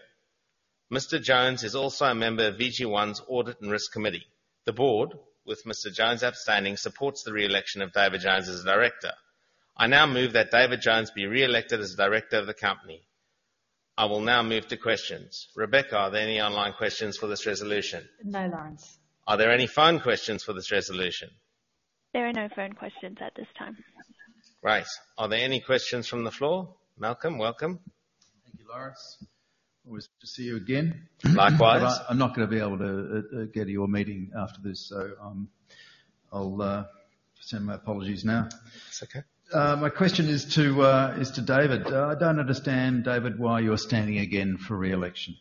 Mr. Jones is also a member of VG1's Audit and Risk Committee. The Board, with Mr. Jones abstaining, supports the re-election of David Jones as a director. I now move that David Jones be re-elected as Director of the company. I will now move to questions. Rebecca, are there any online questions for this resolution? No, Lawrence. Are there any phone questions for this resolution? There are no phone questions at this time. Right. Are there any questions from the floor? Malcolm, welcome. Thank you, Lawrence. Always good to see you again. Likewise. I'm not gonna be able to get to your meeting after this, so I'll send my apologies now. It's okay. My question is to David. I don't understand, David, why you're standing again for re-election.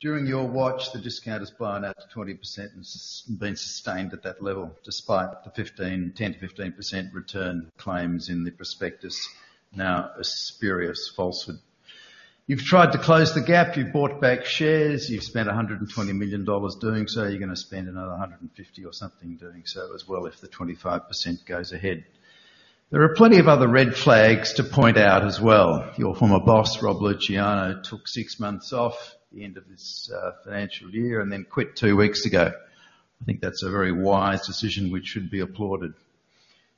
During your watch, the discount has blown out to 20% and has been sustained at that level, despite the ten to 15% return claims in the prospectus, now a spurious falsehood. You've tried to close the gap. You've bought back shares. You've spent 120 million dollars doing so. You're gonna spend another 150 million or something doing so as well, if the 25% goes ahead. There are plenty of other red flags to point out as well. Your former boss, Rob Luciano, took six months off the end of this financial year and then quit two weeks ago. I think that's a very wise decision, which should be applauded.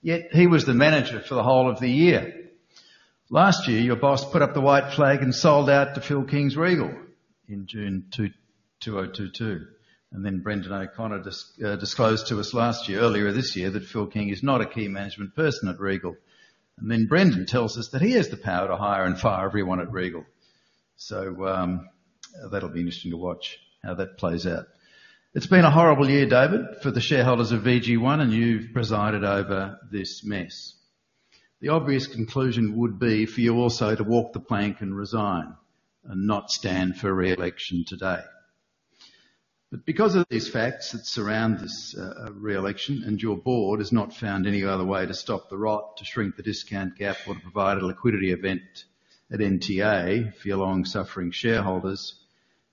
Yet he was the manager for the whole of the year. Last year, your boss put up the white flag and sold out to Phil King's Regal in June 2022. And then Brendan O’Connor disclosed to us last year, earlier this year, that Phil King is not a key management person at Regal. And then Brendan tells us that he has the power to hire and fire everyone at Regal. So, that'll be interesting to watch how that plays out. It's been a horrible year, David, for the shareholders of VG1, and you've presided over this mess. The obvious conclusion would be for you also to walk the plank and resign and not stand for re-election today. But because of these facts that surround this re-election, and your Board has not found any other way to stop the rot, to shrink the discount gap, or to provide a liquidity event at NTA for your long-suffering shareholders,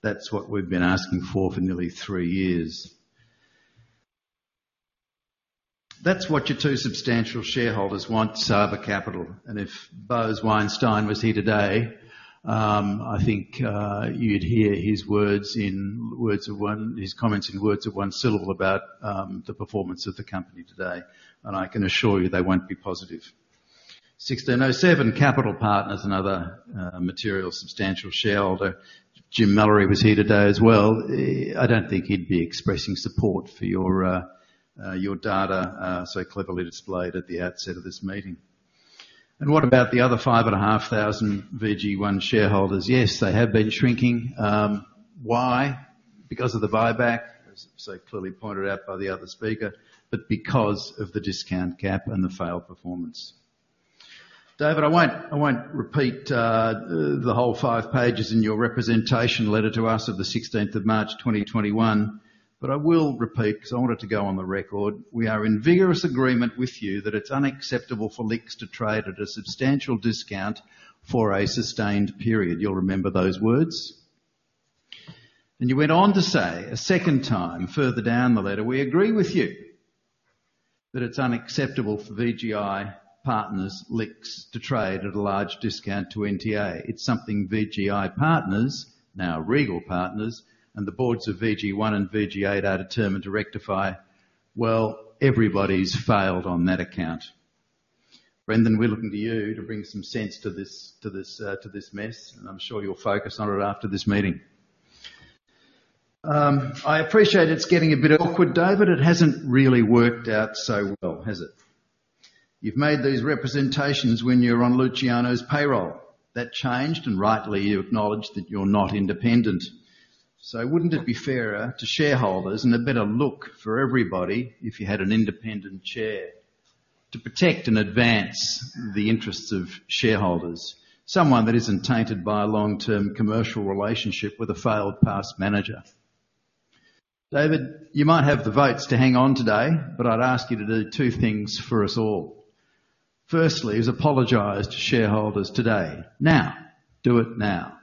that's what we've been asking for for nearly three years. That's what your two substantial shareholders want, Saba Capital. And if Boaz Weinstein was here today, I think you'd hear his comments in words of one syllable about the performance of the company today, and I can assure you they won't be positive. 1607 Capital Partners, another material, substantial shareholder, [Jim Mallory], was here today as well. I don't think he'd be expressing support for your data, so cleverly displayed at the outset of this meeting. And what about the other 5,500 VG1 shareholders? Yes, they have been shrinking. Why? Because of the buyback, as so clearly pointed out by the other speaker, but because of the discount gap and the failed performance. David, I won't, I won't repeat the whole five pages in your representation letter to us of the sixteenth of March, 2021, but I will repeat, because I want it to go on the record. We are in vigorous agreement with you that it's unacceptable for LIC to trade at a substantial discount for a sustained period. You'll remember those words? And you went on to say, a second time, further down the letter, "We agree with you that it's unacceptable for VGI Partners LIC to trade at a large discount to NTA. It's something VGI Partners, now Regal Partners, and the Boards of VG1 and RG8 are determined to rectify." Well, everybody's failed on that account. Brendan, we're looking to you to bring some sense to this, to this, to this mess, and I'm sure you'll focus on it after this meeting. I appreciate it's getting a bit awkward, David. It hasn't really worked out so well, has it? You've made these representations when you were on Luciano's payroll. That changed, and rightly, you acknowledged that you're not independent. So wouldn't it be fairer to shareholders and a better look for everybody if you had an independent chair to protect and advance the interests of shareholders? Someone that isn't tainted by a long-term commercial relationship with a failed past manager. David, you might have the votes to hang on today, but I'd ask you to do two things for us all. Firstly, is apologize to shareholders today. Now, do it now.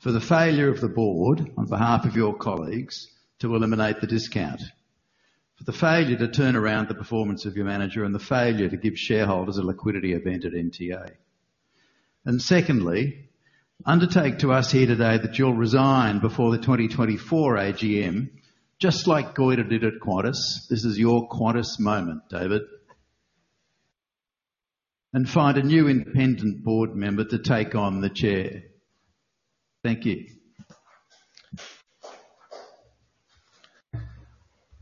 For the failure of the Board, on behalf of your colleagues, to eliminate the discount, for the failure to turn around the performance of your manager, and the failure to give shareholders a liquidity event at NTA. Secondly, undertake to us here today that you'll resign before the 2024 AGM, just like Goyder did at Qantas. This is your Qantas moment, David. Find a new independent Board member to take on the chair. Thank you.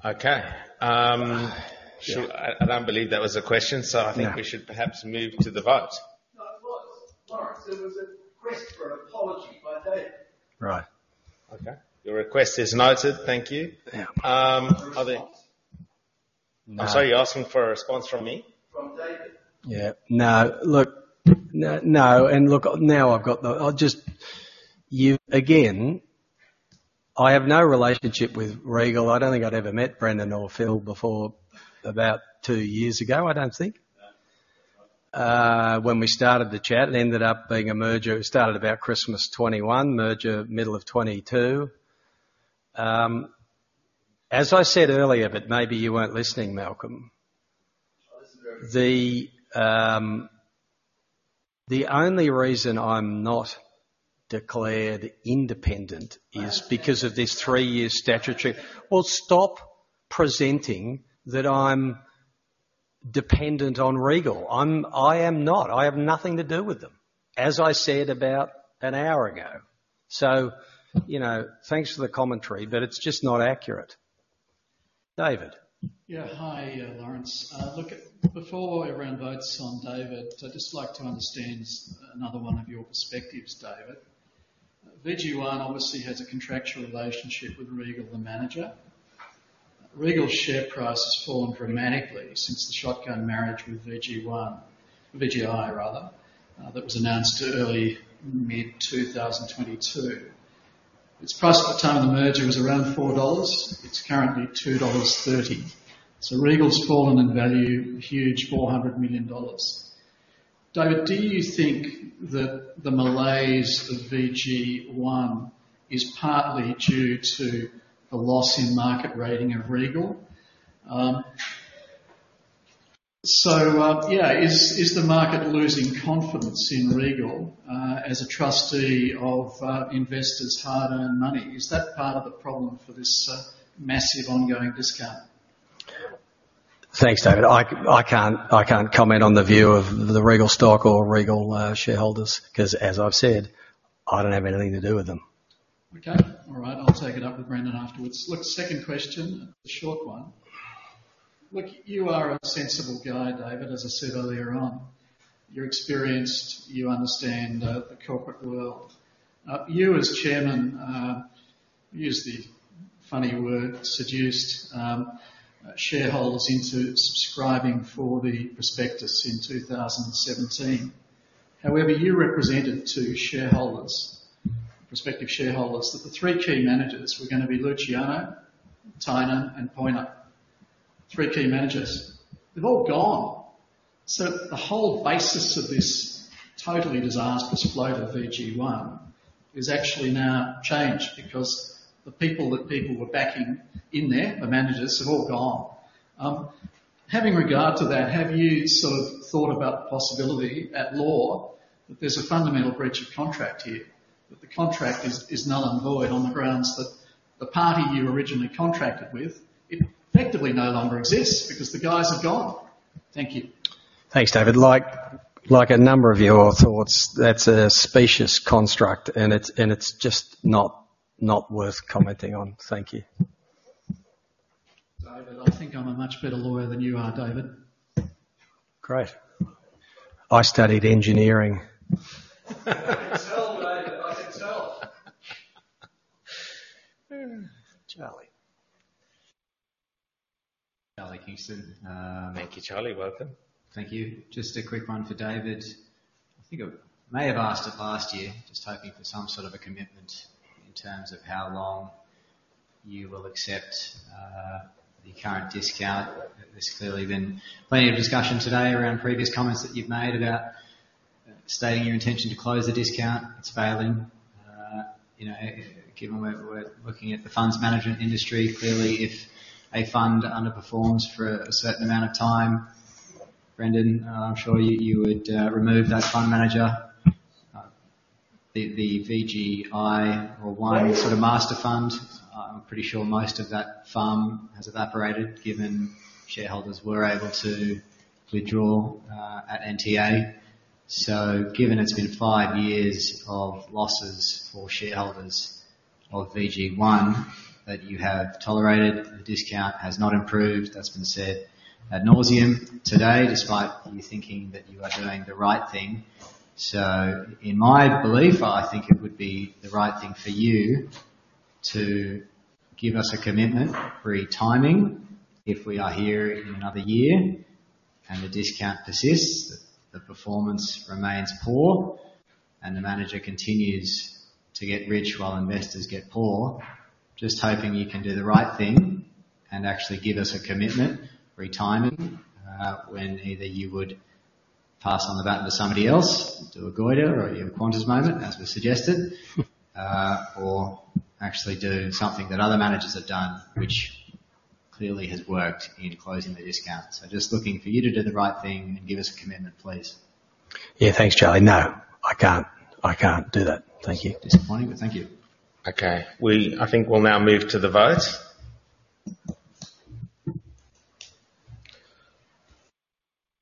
Okay, so I don't believe that was a question, so- No... I think we should perhaps move to the vote. No, it was, Lawrence. It was a request for an apology by David. Right. Okay, your request is noted. Thank you. Yeah. Are there- A response. I'm sorry, you're asking for a response from me? From David. Yeah. No, look, no, and look, now I've got the... I'll just, you again, I have no relationship with Regal. I don't think I'd ever met Brendan or Phil before, about two years ago, I don't think. When we started the chat, it ended up being a merger. It started about Christmas 2021, merger middle of 2022. As I said earlier, but maybe you weren't listening, Malcolm- I listen to everything. The only reason I'm not declared independent is because of this three-year statutory. Well, stop presenting that I'm dependent on Regal. I am not. I have nothing to do with them, as I said about an hour ago. So, you know, thanks for the commentary, but it's just not accurate. David? Yeah. Hi, Lawrence. Look, before I run votes on David, I'd just like to understand another one of your perspectives, David. VG1 obviously has a contractual relationship with Regal, the manager. Regal's share price has fallen dramatically since the shotgun marriage with VG1, VGI rather, that was announced early mid-2022. Its price at the time of the merger was around 4 dollars. It's currently 2.30 dollars. So Regal's fallen in value, a huge 400 million dollars. David, do you think that the malaise of VG1 is partly due to the loss in market rating of Regal? So, yeah, is the market losing confidence in Regal as a trustee of investors' hard-earned money? Is that part of the problem for this massive ongoing discount? Thanks, David. I can't comment on the view of the Regal stock or Regal shareholders, because, as I've said, I don't have anything to do with them. Okay. All right, I'll take it up with Brendan afterwards. Look, second question, a short one. Look, you are a sensible guy, David, as I said earlier on. You're experienced, you understand the corporate world. You, as chairman, use the funny word, seduced, shareholders into subscribing for the prospectus in 2017. However, you represented to shareholders, prospective shareholders, that the three key managers were going to be Luciano, c Three key managers. They've all gone. So the whole basis of this totally disastrous flow to VG1 is actually now changed because the people that people were backing in there, the managers, have all gone. Having regard to that, have you sort of thought about the possibility at law, that there's a fundamental breach of contract here? That the contract is null and void on the grounds that the party you originally contracted with it effectively no longer exists because the guys are gone. Thank you. Thanks, David. Like a number of your thoughts, that's a specious construct, and it's just not worth commenting on. Thank you. David, I think I'm a much better lawyer than you are, David. Great. I studied engineering. It can tell, David. I can tell. Charlie. Charlie Kingston, Thank you, Charlie. Welcome. Thank you. Just a quick one for David. I think I may have asked it last year. Just hoping for some sort of a commitment in terms of how long you will accept the current discount. There's clearly been plenty of discussion today around previous comments that you've made about stating your intention to close the discount. It's failing. You know, given we're looking at the funds management industry, clearly, if a fund underperforms for a certain amount of time, Brendan, I'm sure you would remove that fund manager... the VGI or one sort of master fund, I'm pretty sure most of that fund has evaporated, given shareholders were able to withdraw at NTA. So given it's been five years of losses for shareholders of VG1, that you have tolerated, the discount has not improved. That's been said ad nauseam today, despite you thinking that you are doing the right thing. So in my belief, I think it would be the right thing for you to give us a commitment, a timeframe, if we are here in another year and the discount persists, the performance remains poor, and the manager continues to get rich while investors get poor. Just hoping you can do the right thing and actually give us a commitment, a timeframe, when either you would pass on the baton to somebody else, do a Goyder or your Qantas moment, as was suggested, or actually do something that other managers have done, which clearly has worked in closing the discount. So just looking for you to do the right thing and give us a commitment, please. Yeah, thanks, Charlie. No, I can't. I can't do that. Thank you. Disappointing, but thank you. Okay, I think we'll now move to the vote.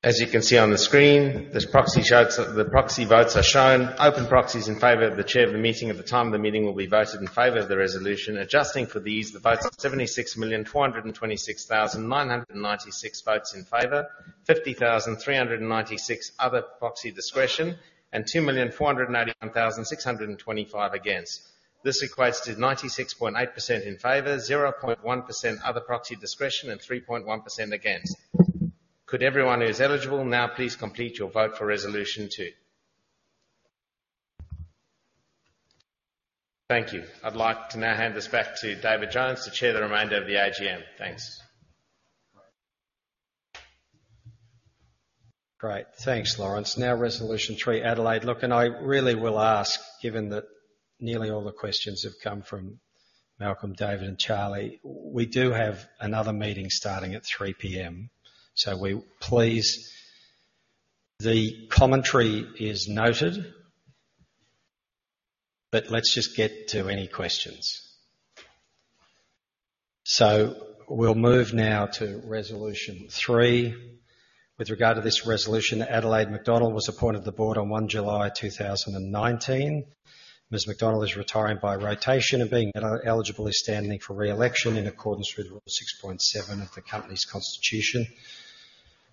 As you can see on the screen, this proxy charts, the proxy votes are shown. Open proxies in favor of the chair of the meeting, at the time the meeting will be voted in favor of the resolution. Adjusting for these, the vote is 76,426,996 votes in favor, 50,396 other proxy discretion, and 2,481,625 against. This equates to 96.8% in favor, 0.1% other proxy discretion, and 3.1% against. Could everyone who is eligible now please complete your vote for Resolution 1? Thank you. I'd like to now hand this back to David Jones to chair the remainder of the AGM. Thanks. Great, thanks, Lawrence. Now, Resolution 3. Adelaide, look, and I really will ask, given that nearly all the questions have come from Malcolm, David, and Charlie, we do have another meeting starting at 3 P.M. So, please, the commentary is noted, but let's just get to any questions. So we'll move now to Resolution 3. With regard to this resolution, Adelaide McDonald was appointed to the Board on 1 July 2019. Ms. McDonald is retiring by rotation and being eligible and standing for re-election in accordance with Rule 6.7 of the company's constitution.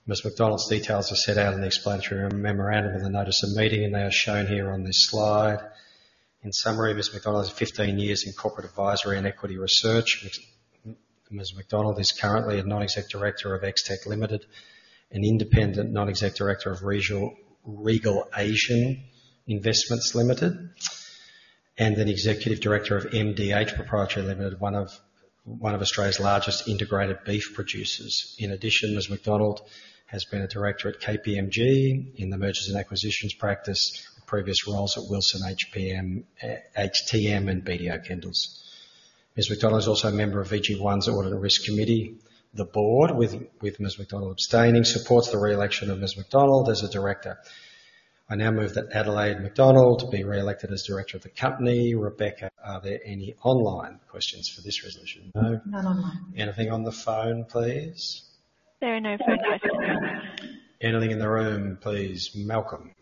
Ms. McDonald's details are set out in the explanatory memorandum in the notice of meeting, and they are shown here on this slide. In summary, Ms. McDonald has 15 years in corporate advisory and equity research. Ms. McDonald is currently a non-exec director of XTEK Limited, an independent non-exec director of Regal Asian Investments Limited, and an executive director of MDH Proprietary Limited, one of Australia's largest integrated beef producers. In addition, Ms. McDonald has been a director at KPMG in the mergers and acquisitions practice, with previous roles at Wilson HTM, and BDO Kendalls. Ms. McDonald is also a member of VG1's Audit and Risk Committee. The Board, with Ms. McDonald abstaining, supports the re-election of Ms. McDonald as a director. I now move that Adelaide McDonald to be re-elected as director of the company. Rebecca, are there any online questions for this resolution? No. Not online. Anything on the phone, please? There are no phone questions, sir. Anything in the room, please, Malcolm?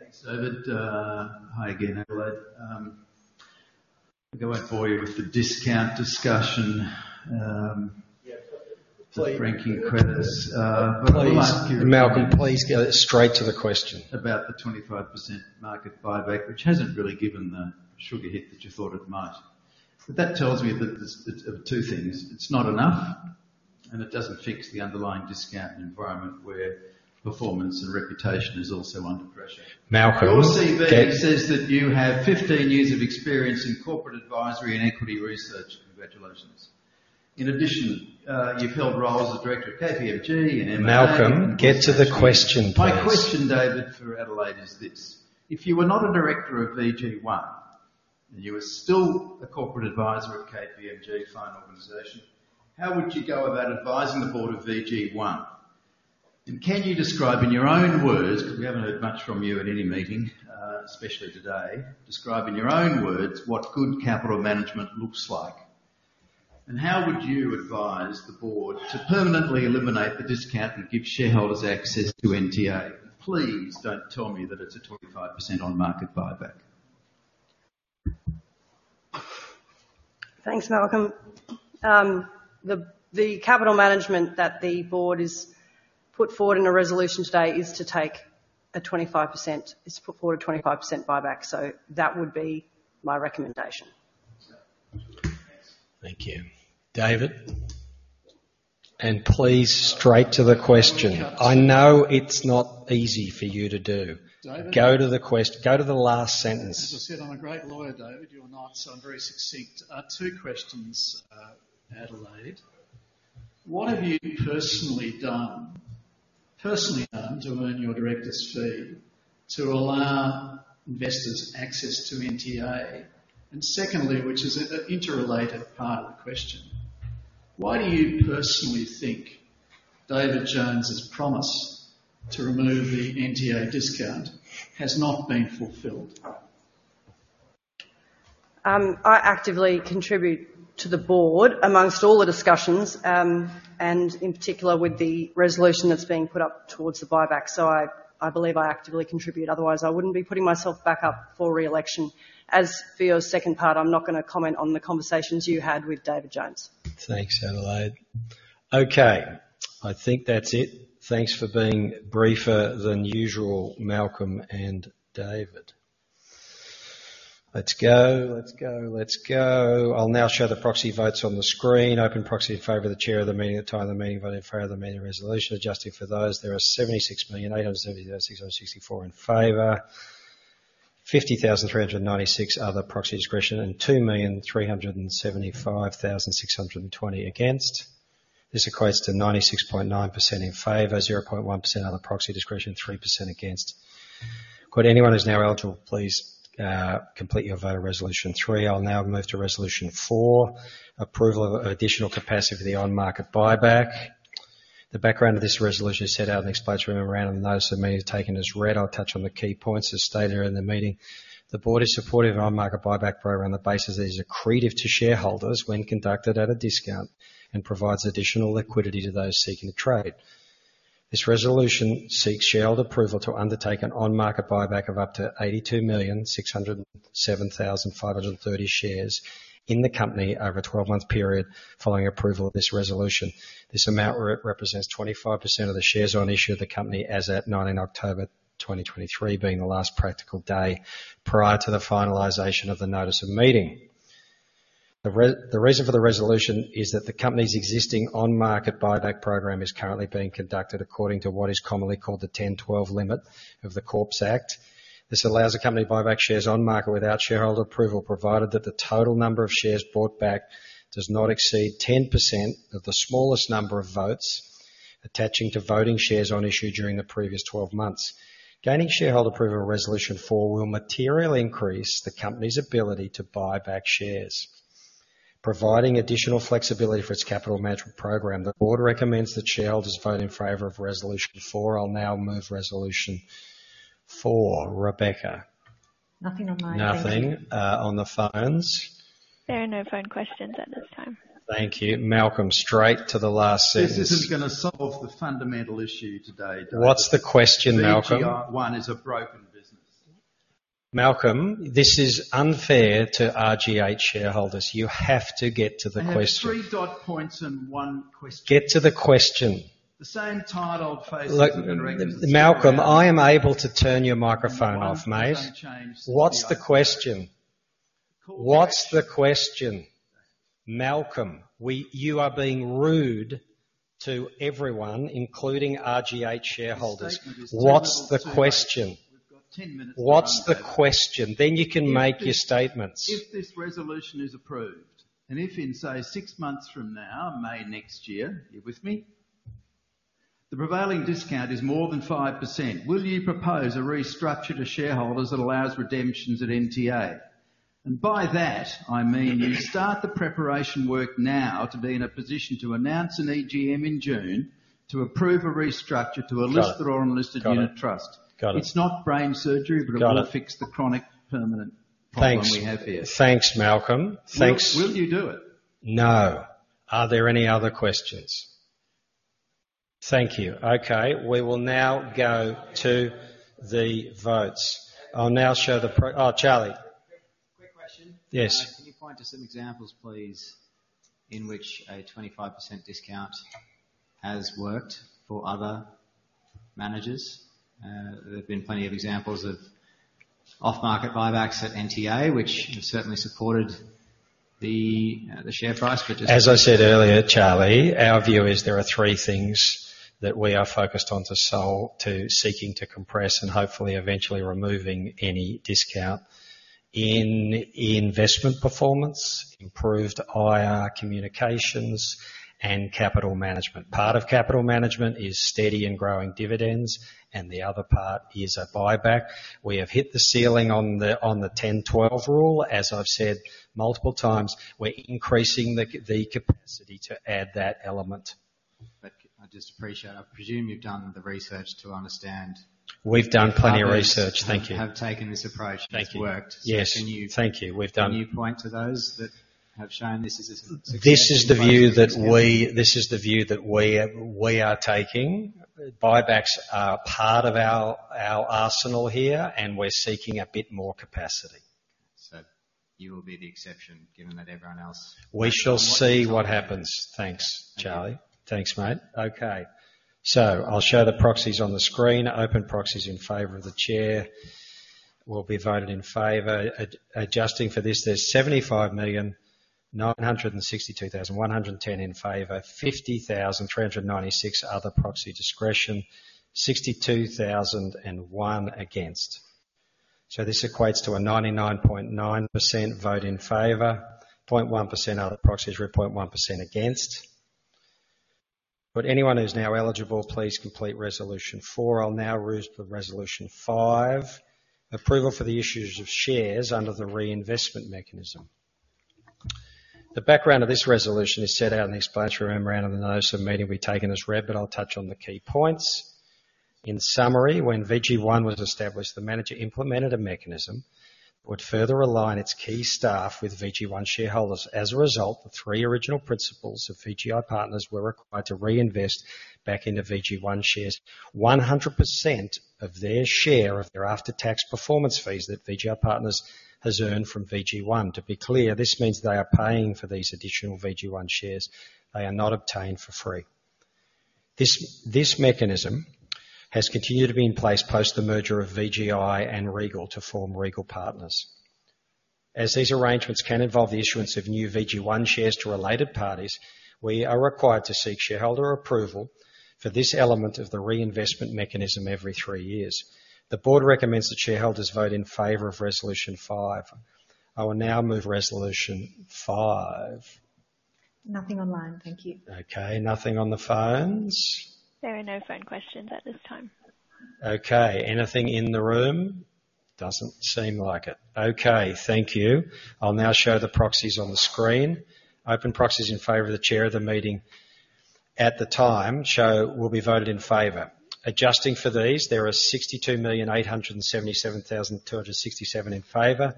Thanks, David. Hi again, Adelaide. Going for you with the discount discussion. Yeah, Franking credits, Please, Malcolm, please get straight to the question. About the 25% market buyback, which hasn't really given the sugar hit that you thought it might. That tells me that there's two things: It's not enough, and it doesn't fix the underlying discount and environment where performance and reputation is also under pressure. Malcolm, get- Your CV says that you have 15 years of experience in corporate advisory and equity research. Congratulations. In addition, you've held roles as a director of KPMG and MD- Malcolm, get to the question, please. My question, David, for Adelaide, is this: If you were not a director of VG1, and you were still a corporate advisor at KPMG, fine organization, how would you go about advising the Board of VG1? And can you describe, in your own words, because we haven't heard much from you at any meeting, especially today, describe in your own words what good capital management looks like, and how would you advise the Board to permanently eliminate the discount and give shareholders access to NTA? Please don't tell me that it's a 25% on-market buyback. Thanks, Malcolm. The capital management that the Board has put forward in a resolution today is to put forward a 25% buyback. So that would be my recommendation. Thanks. Thank you. David? Please, straight to the question. I know it's not easy for you to do. David- Go to the last sentence. As I said, I'm a great lawyer, David, you're not, so I'm very succinct. Two questions, Adelaide: What have you personally done, personally done to earn your director's fee to allow investors access to NTA? And secondly, which is a interrelated part of the question- Why do you personally think David Jones's promise to remove the NTA discount has not been fulfilled? I actively contribute to the Board among all the discussions, and in particular, with the resolution that's being put up towards the buyback. So I, I believe I actively contribute, otherwise I wouldn't be putting myself back up for re-election. As for your second part, I'm not gonna comment on the conversations you had with David Jones. Thanks, Adelaide. Okay, I think that's it. Thanks for being briefer than usual, Malcolm and David. Let's go, let's go, let's go. I'll now show the proxy votes on the screen. Open proxy in favor of the chair of the meeting, at the time of the meeting, voted in favor of the meeting resolution. Adjusting for those, there are 76,876,664 in favor, 50,396 other proxy discretion, and 2,375,620 against. This equates to 96.9% in favor, 0.1% other proxy discretion, 3% against. Could anyone who's now eligible, please, complete your vote on resolution three? I'll now move to resolution four: approval of additional capacity for the on-market buyback. The background of this resolution is set out in the, (audio distortion) and the notice of the meeting is taken as read. I'll touch on the key points, as stated here in the meeting. The Board is supportive of on-market buyback program on the basis that it is accretive to shareholders when conducted at a discount, and provides additional liquidity to those seeking to trade. This resolution seeks shareholder approval to undertake an on-market buyback of up to 82,607,530 shares in the company over a 12-month period, following approval of this resolution. This amount represents 25% of the shares on issue of the company as at 19 October 2023, being the last practical day prior to the finalization of the notice of meeting. The reason for the resolution is that the company's existing on-market buyback program is currently being conducted according to what is commonly called the 10/12 limit of the Corporations Act. This allows the company to buy back shares on market without shareholder approval, provided that the total number of shares bought back does not exceed 10% of the smallest number of votes attaching to voting shares on issue during the previous 12 months. Gaining shareholder approval in Resolution 4 will materially increase the company's ability to buy back shares, providing additional flexibility for its capital management program. The Board recommends that shareholders vote in favor of Resolution 4. I'll now move Resolution 4. Rebecca? Nothing on my end. Nothing on the phones? There are no phone questions at this time. Thank you. Malcolm, straight to the last sentence. This isn't gonna solve the fundamental issue today, Dave. What's the question, Malcolm? Oneis a broken business. Malcolm, this is unfair to RGH shareholders. You have to get to the question. I have three dot points and one question. Get to the question. The same tired, old faces have been around- Malcolm, I am able to turn your microphone off, mate. There's only one change- What's the question? Cool- What's the question, Malcolm? You are being rude to everyone, including RGH shareholders. The statement is- What's the question? We've got 10 minutes- What's the question? Then you can make your statements. If this resolution is approved, and if in, say, six months from now, May next year, you with me? The prevailing discount is more than 5%, will you propose a restructure to shareholders that allows redemptions at NTA? And by that, I mean, you start the preparation work now to be in a position to announce an EGM in June, to approve a restructure, to a listed- Got it. Or unlisted unit trust. Got it. It's not brain surgery. Got it. But it will fix the chronic, permanent problem we have here. Thanks, Malcolm. Thanks. Will, will you do it? No. Are there any other questions? Thank you. Okay, we will now go to the votes. I'll now show the pro... Oh, Charlie? Quick question. Yes. Can you point to some examples, please, in which a 25% discount has worked for other managers? There have been plenty of examples of off-market buybacks at NTA, which have certainly supported the, the share price, which is- As I said earlier, Charlie, our view is there are three things that we are focused on to solve, to seeking to compress and hopefully eventually removing any discount: in investment performance, improved IR communications, and capital management. Part of capital management is steady and growing dividends, and the other part is a buyback. We have hit the ceiling on the 10/12 rule, as I've said multiple times, we're increasing the capacity to add that element. I just appreciate... I presume you've done the research to understand- We've done plenty of research. Thank you. Have taken this approach- Thank you. and it's worked. Yes. Can you- Thank you. We've done- Can you point to those that have shown this is a successful approach? This is the view that we are taking. Buybacks are part of our arsenal here, and we're seeking a bit more capacity. So you will be the exception, given that everyone else- We shall see what happens. Thanks, Charlie. Thanks, mate. Okay, so I'll show the proxies on the screen. Open proxies in favor of the chair will be voted in favor. Adjusting for this, there's 75,962,110 in favor. 50,396 other proxy discretion, 62,001 against. So this equates to a 99.9% vote in favor, 0.1% other proxies, or 0.1% against.... Would anyone who's now eligible, please complete resolution four. I'll now move to resolution five: approval for the issues of shares under the reinvestment mechanism. The background of this resolution is set out in the explanatory memorandum, and the notice of meeting will be taken as read, but I'll touch on the key points. In summary, when VG1 was established, the manager implemented a mechanism which would further align its key staff with VG1 shareholders. As a result, the three original principals of VGI Partners were required to reinvest back into VG1 shares 100% of their share of their after-tax performance fees that VGI Partners has earned from VG1. To be clear, this means they are paying for these additional VG1 shares. They are not obtained for free. This mechanism has continued to be in place post the merger of VGI and Regal to form Regal Partners. As these arrangements can involve the issuance of new VG1 shares to related parties, we are required to seek shareholder approval for this element of the reinvestment mechanism every three years. The Board recommends that shareholders vote in favor of resolution five. I will now move resolution five. Nothing online. Thank you. Okay, nothing on the phones? There are no phone questions at this time. Okay, anything in the room? Doesn't seem like it. Okay, thank you. I'll now show the proxies on the screen. Open proxies in favor of the chair of the meeting at the time show will be voted in favor. Adjusting for these, there are 62,877,267 in favor,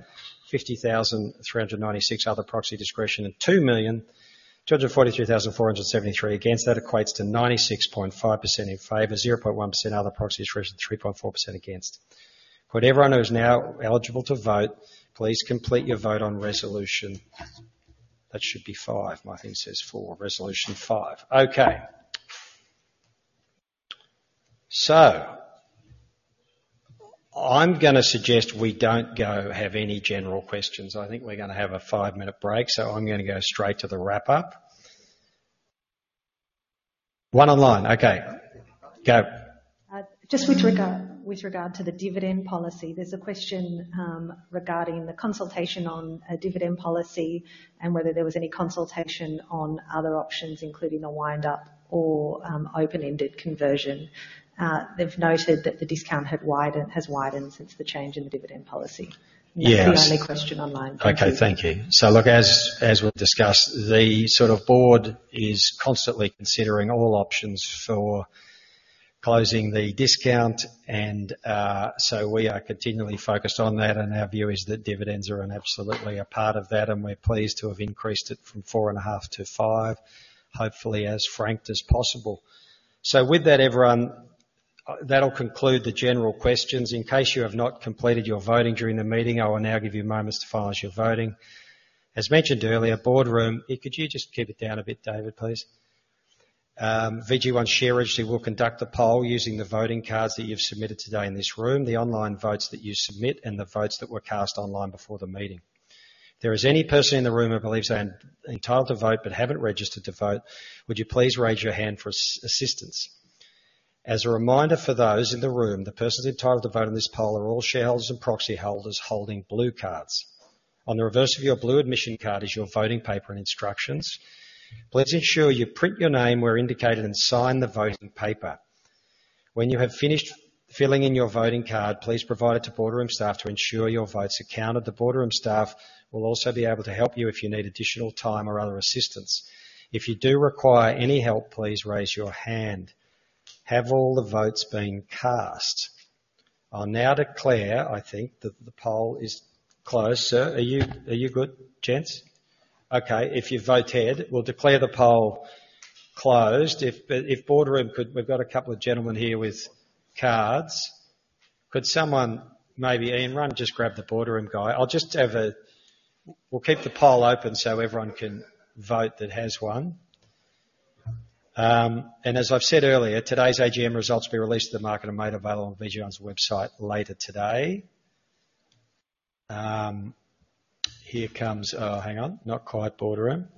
50,396 other proxy discretion, and 2,243,473 against. That equates to 96.5% in favor, 0.1% other proxies, 3.4% against. Would everyone who is now eligible to vote, please complete your vote on resolution... That should be five. My thing says four. Resolution five. Okay. So I'm gonna suggest we don't go have any general questions. I think we're gonna have a five-minute break, so I'm gonna go straight to the wrap up. One online. Okay. Go. Just with regard to the dividend policy, there's a question regarding the consultation on a dividend policy and whether there was any consultation on other options, including a wind-up or open-ended conversion. They've noted that the discount had widened, has widened since the change in the dividend policy. Yes. That's the only question online. Okay, thank you. So look, as, as we've discussed, the sort of Board is constantly considering all options for closing the discount, and so we are continually focused on that, and our view is that dividends are an absolutely a part of that, and we're pleased to have increased it from 4.5-5, hopefully as franked as possible. So with that, everyone, that'll conclude the general questions. In case you have not completed your voting during the meeting, I will now give you a moment to finalize your voting. As mentioned earlier, Boardroom... Could you just keep it down a bit, David, please? VG1 share registry will conduct the poll using the voting cards that you've submitted today in this room, the online votes that you submit, and the votes that were cast online before the meeting. If there is any person in the room who believes they are entitled to vote but haven't registered to vote, would you please raise your hand for assistance? As a reminder for those in the room, the persons entitled to vote in this poll are all shareholders and proxy holders holding blue cards. On the reverse of your blue admission card is your voting paper and instructions. Please ensure you print your name where indicated and sign the voting paper. When you have finished filling in your voting card, please provide it to Boardroom staff to ensure your vote's counted. The Boardroom staff will also be able to help you if you need additional time or other assistance. If you do require any help, please raise your hand. Have all the votes been cast? I'll now declare, I think, that the poll is closed. Sir, are you good, gents? Okay, if you've voted, we'll declare the poll closed. But if Boardroom could... We've got a couple of gentlemen here with cards. Could someone, maybe Ian, run and just grab the Boardroom guy? We'll keep the poll open so everyone can vote that has one. And as I've said earlier, today's AGM results will be released to the market and made available on VG1's website later today. Here comes... Oh, hang on. Not quite, Boardroom.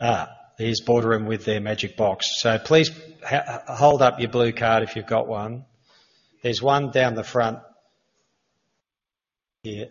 Ah, here's Boardroom with their magic box. So please hold up your blue card if you've got one. There's one down the front here.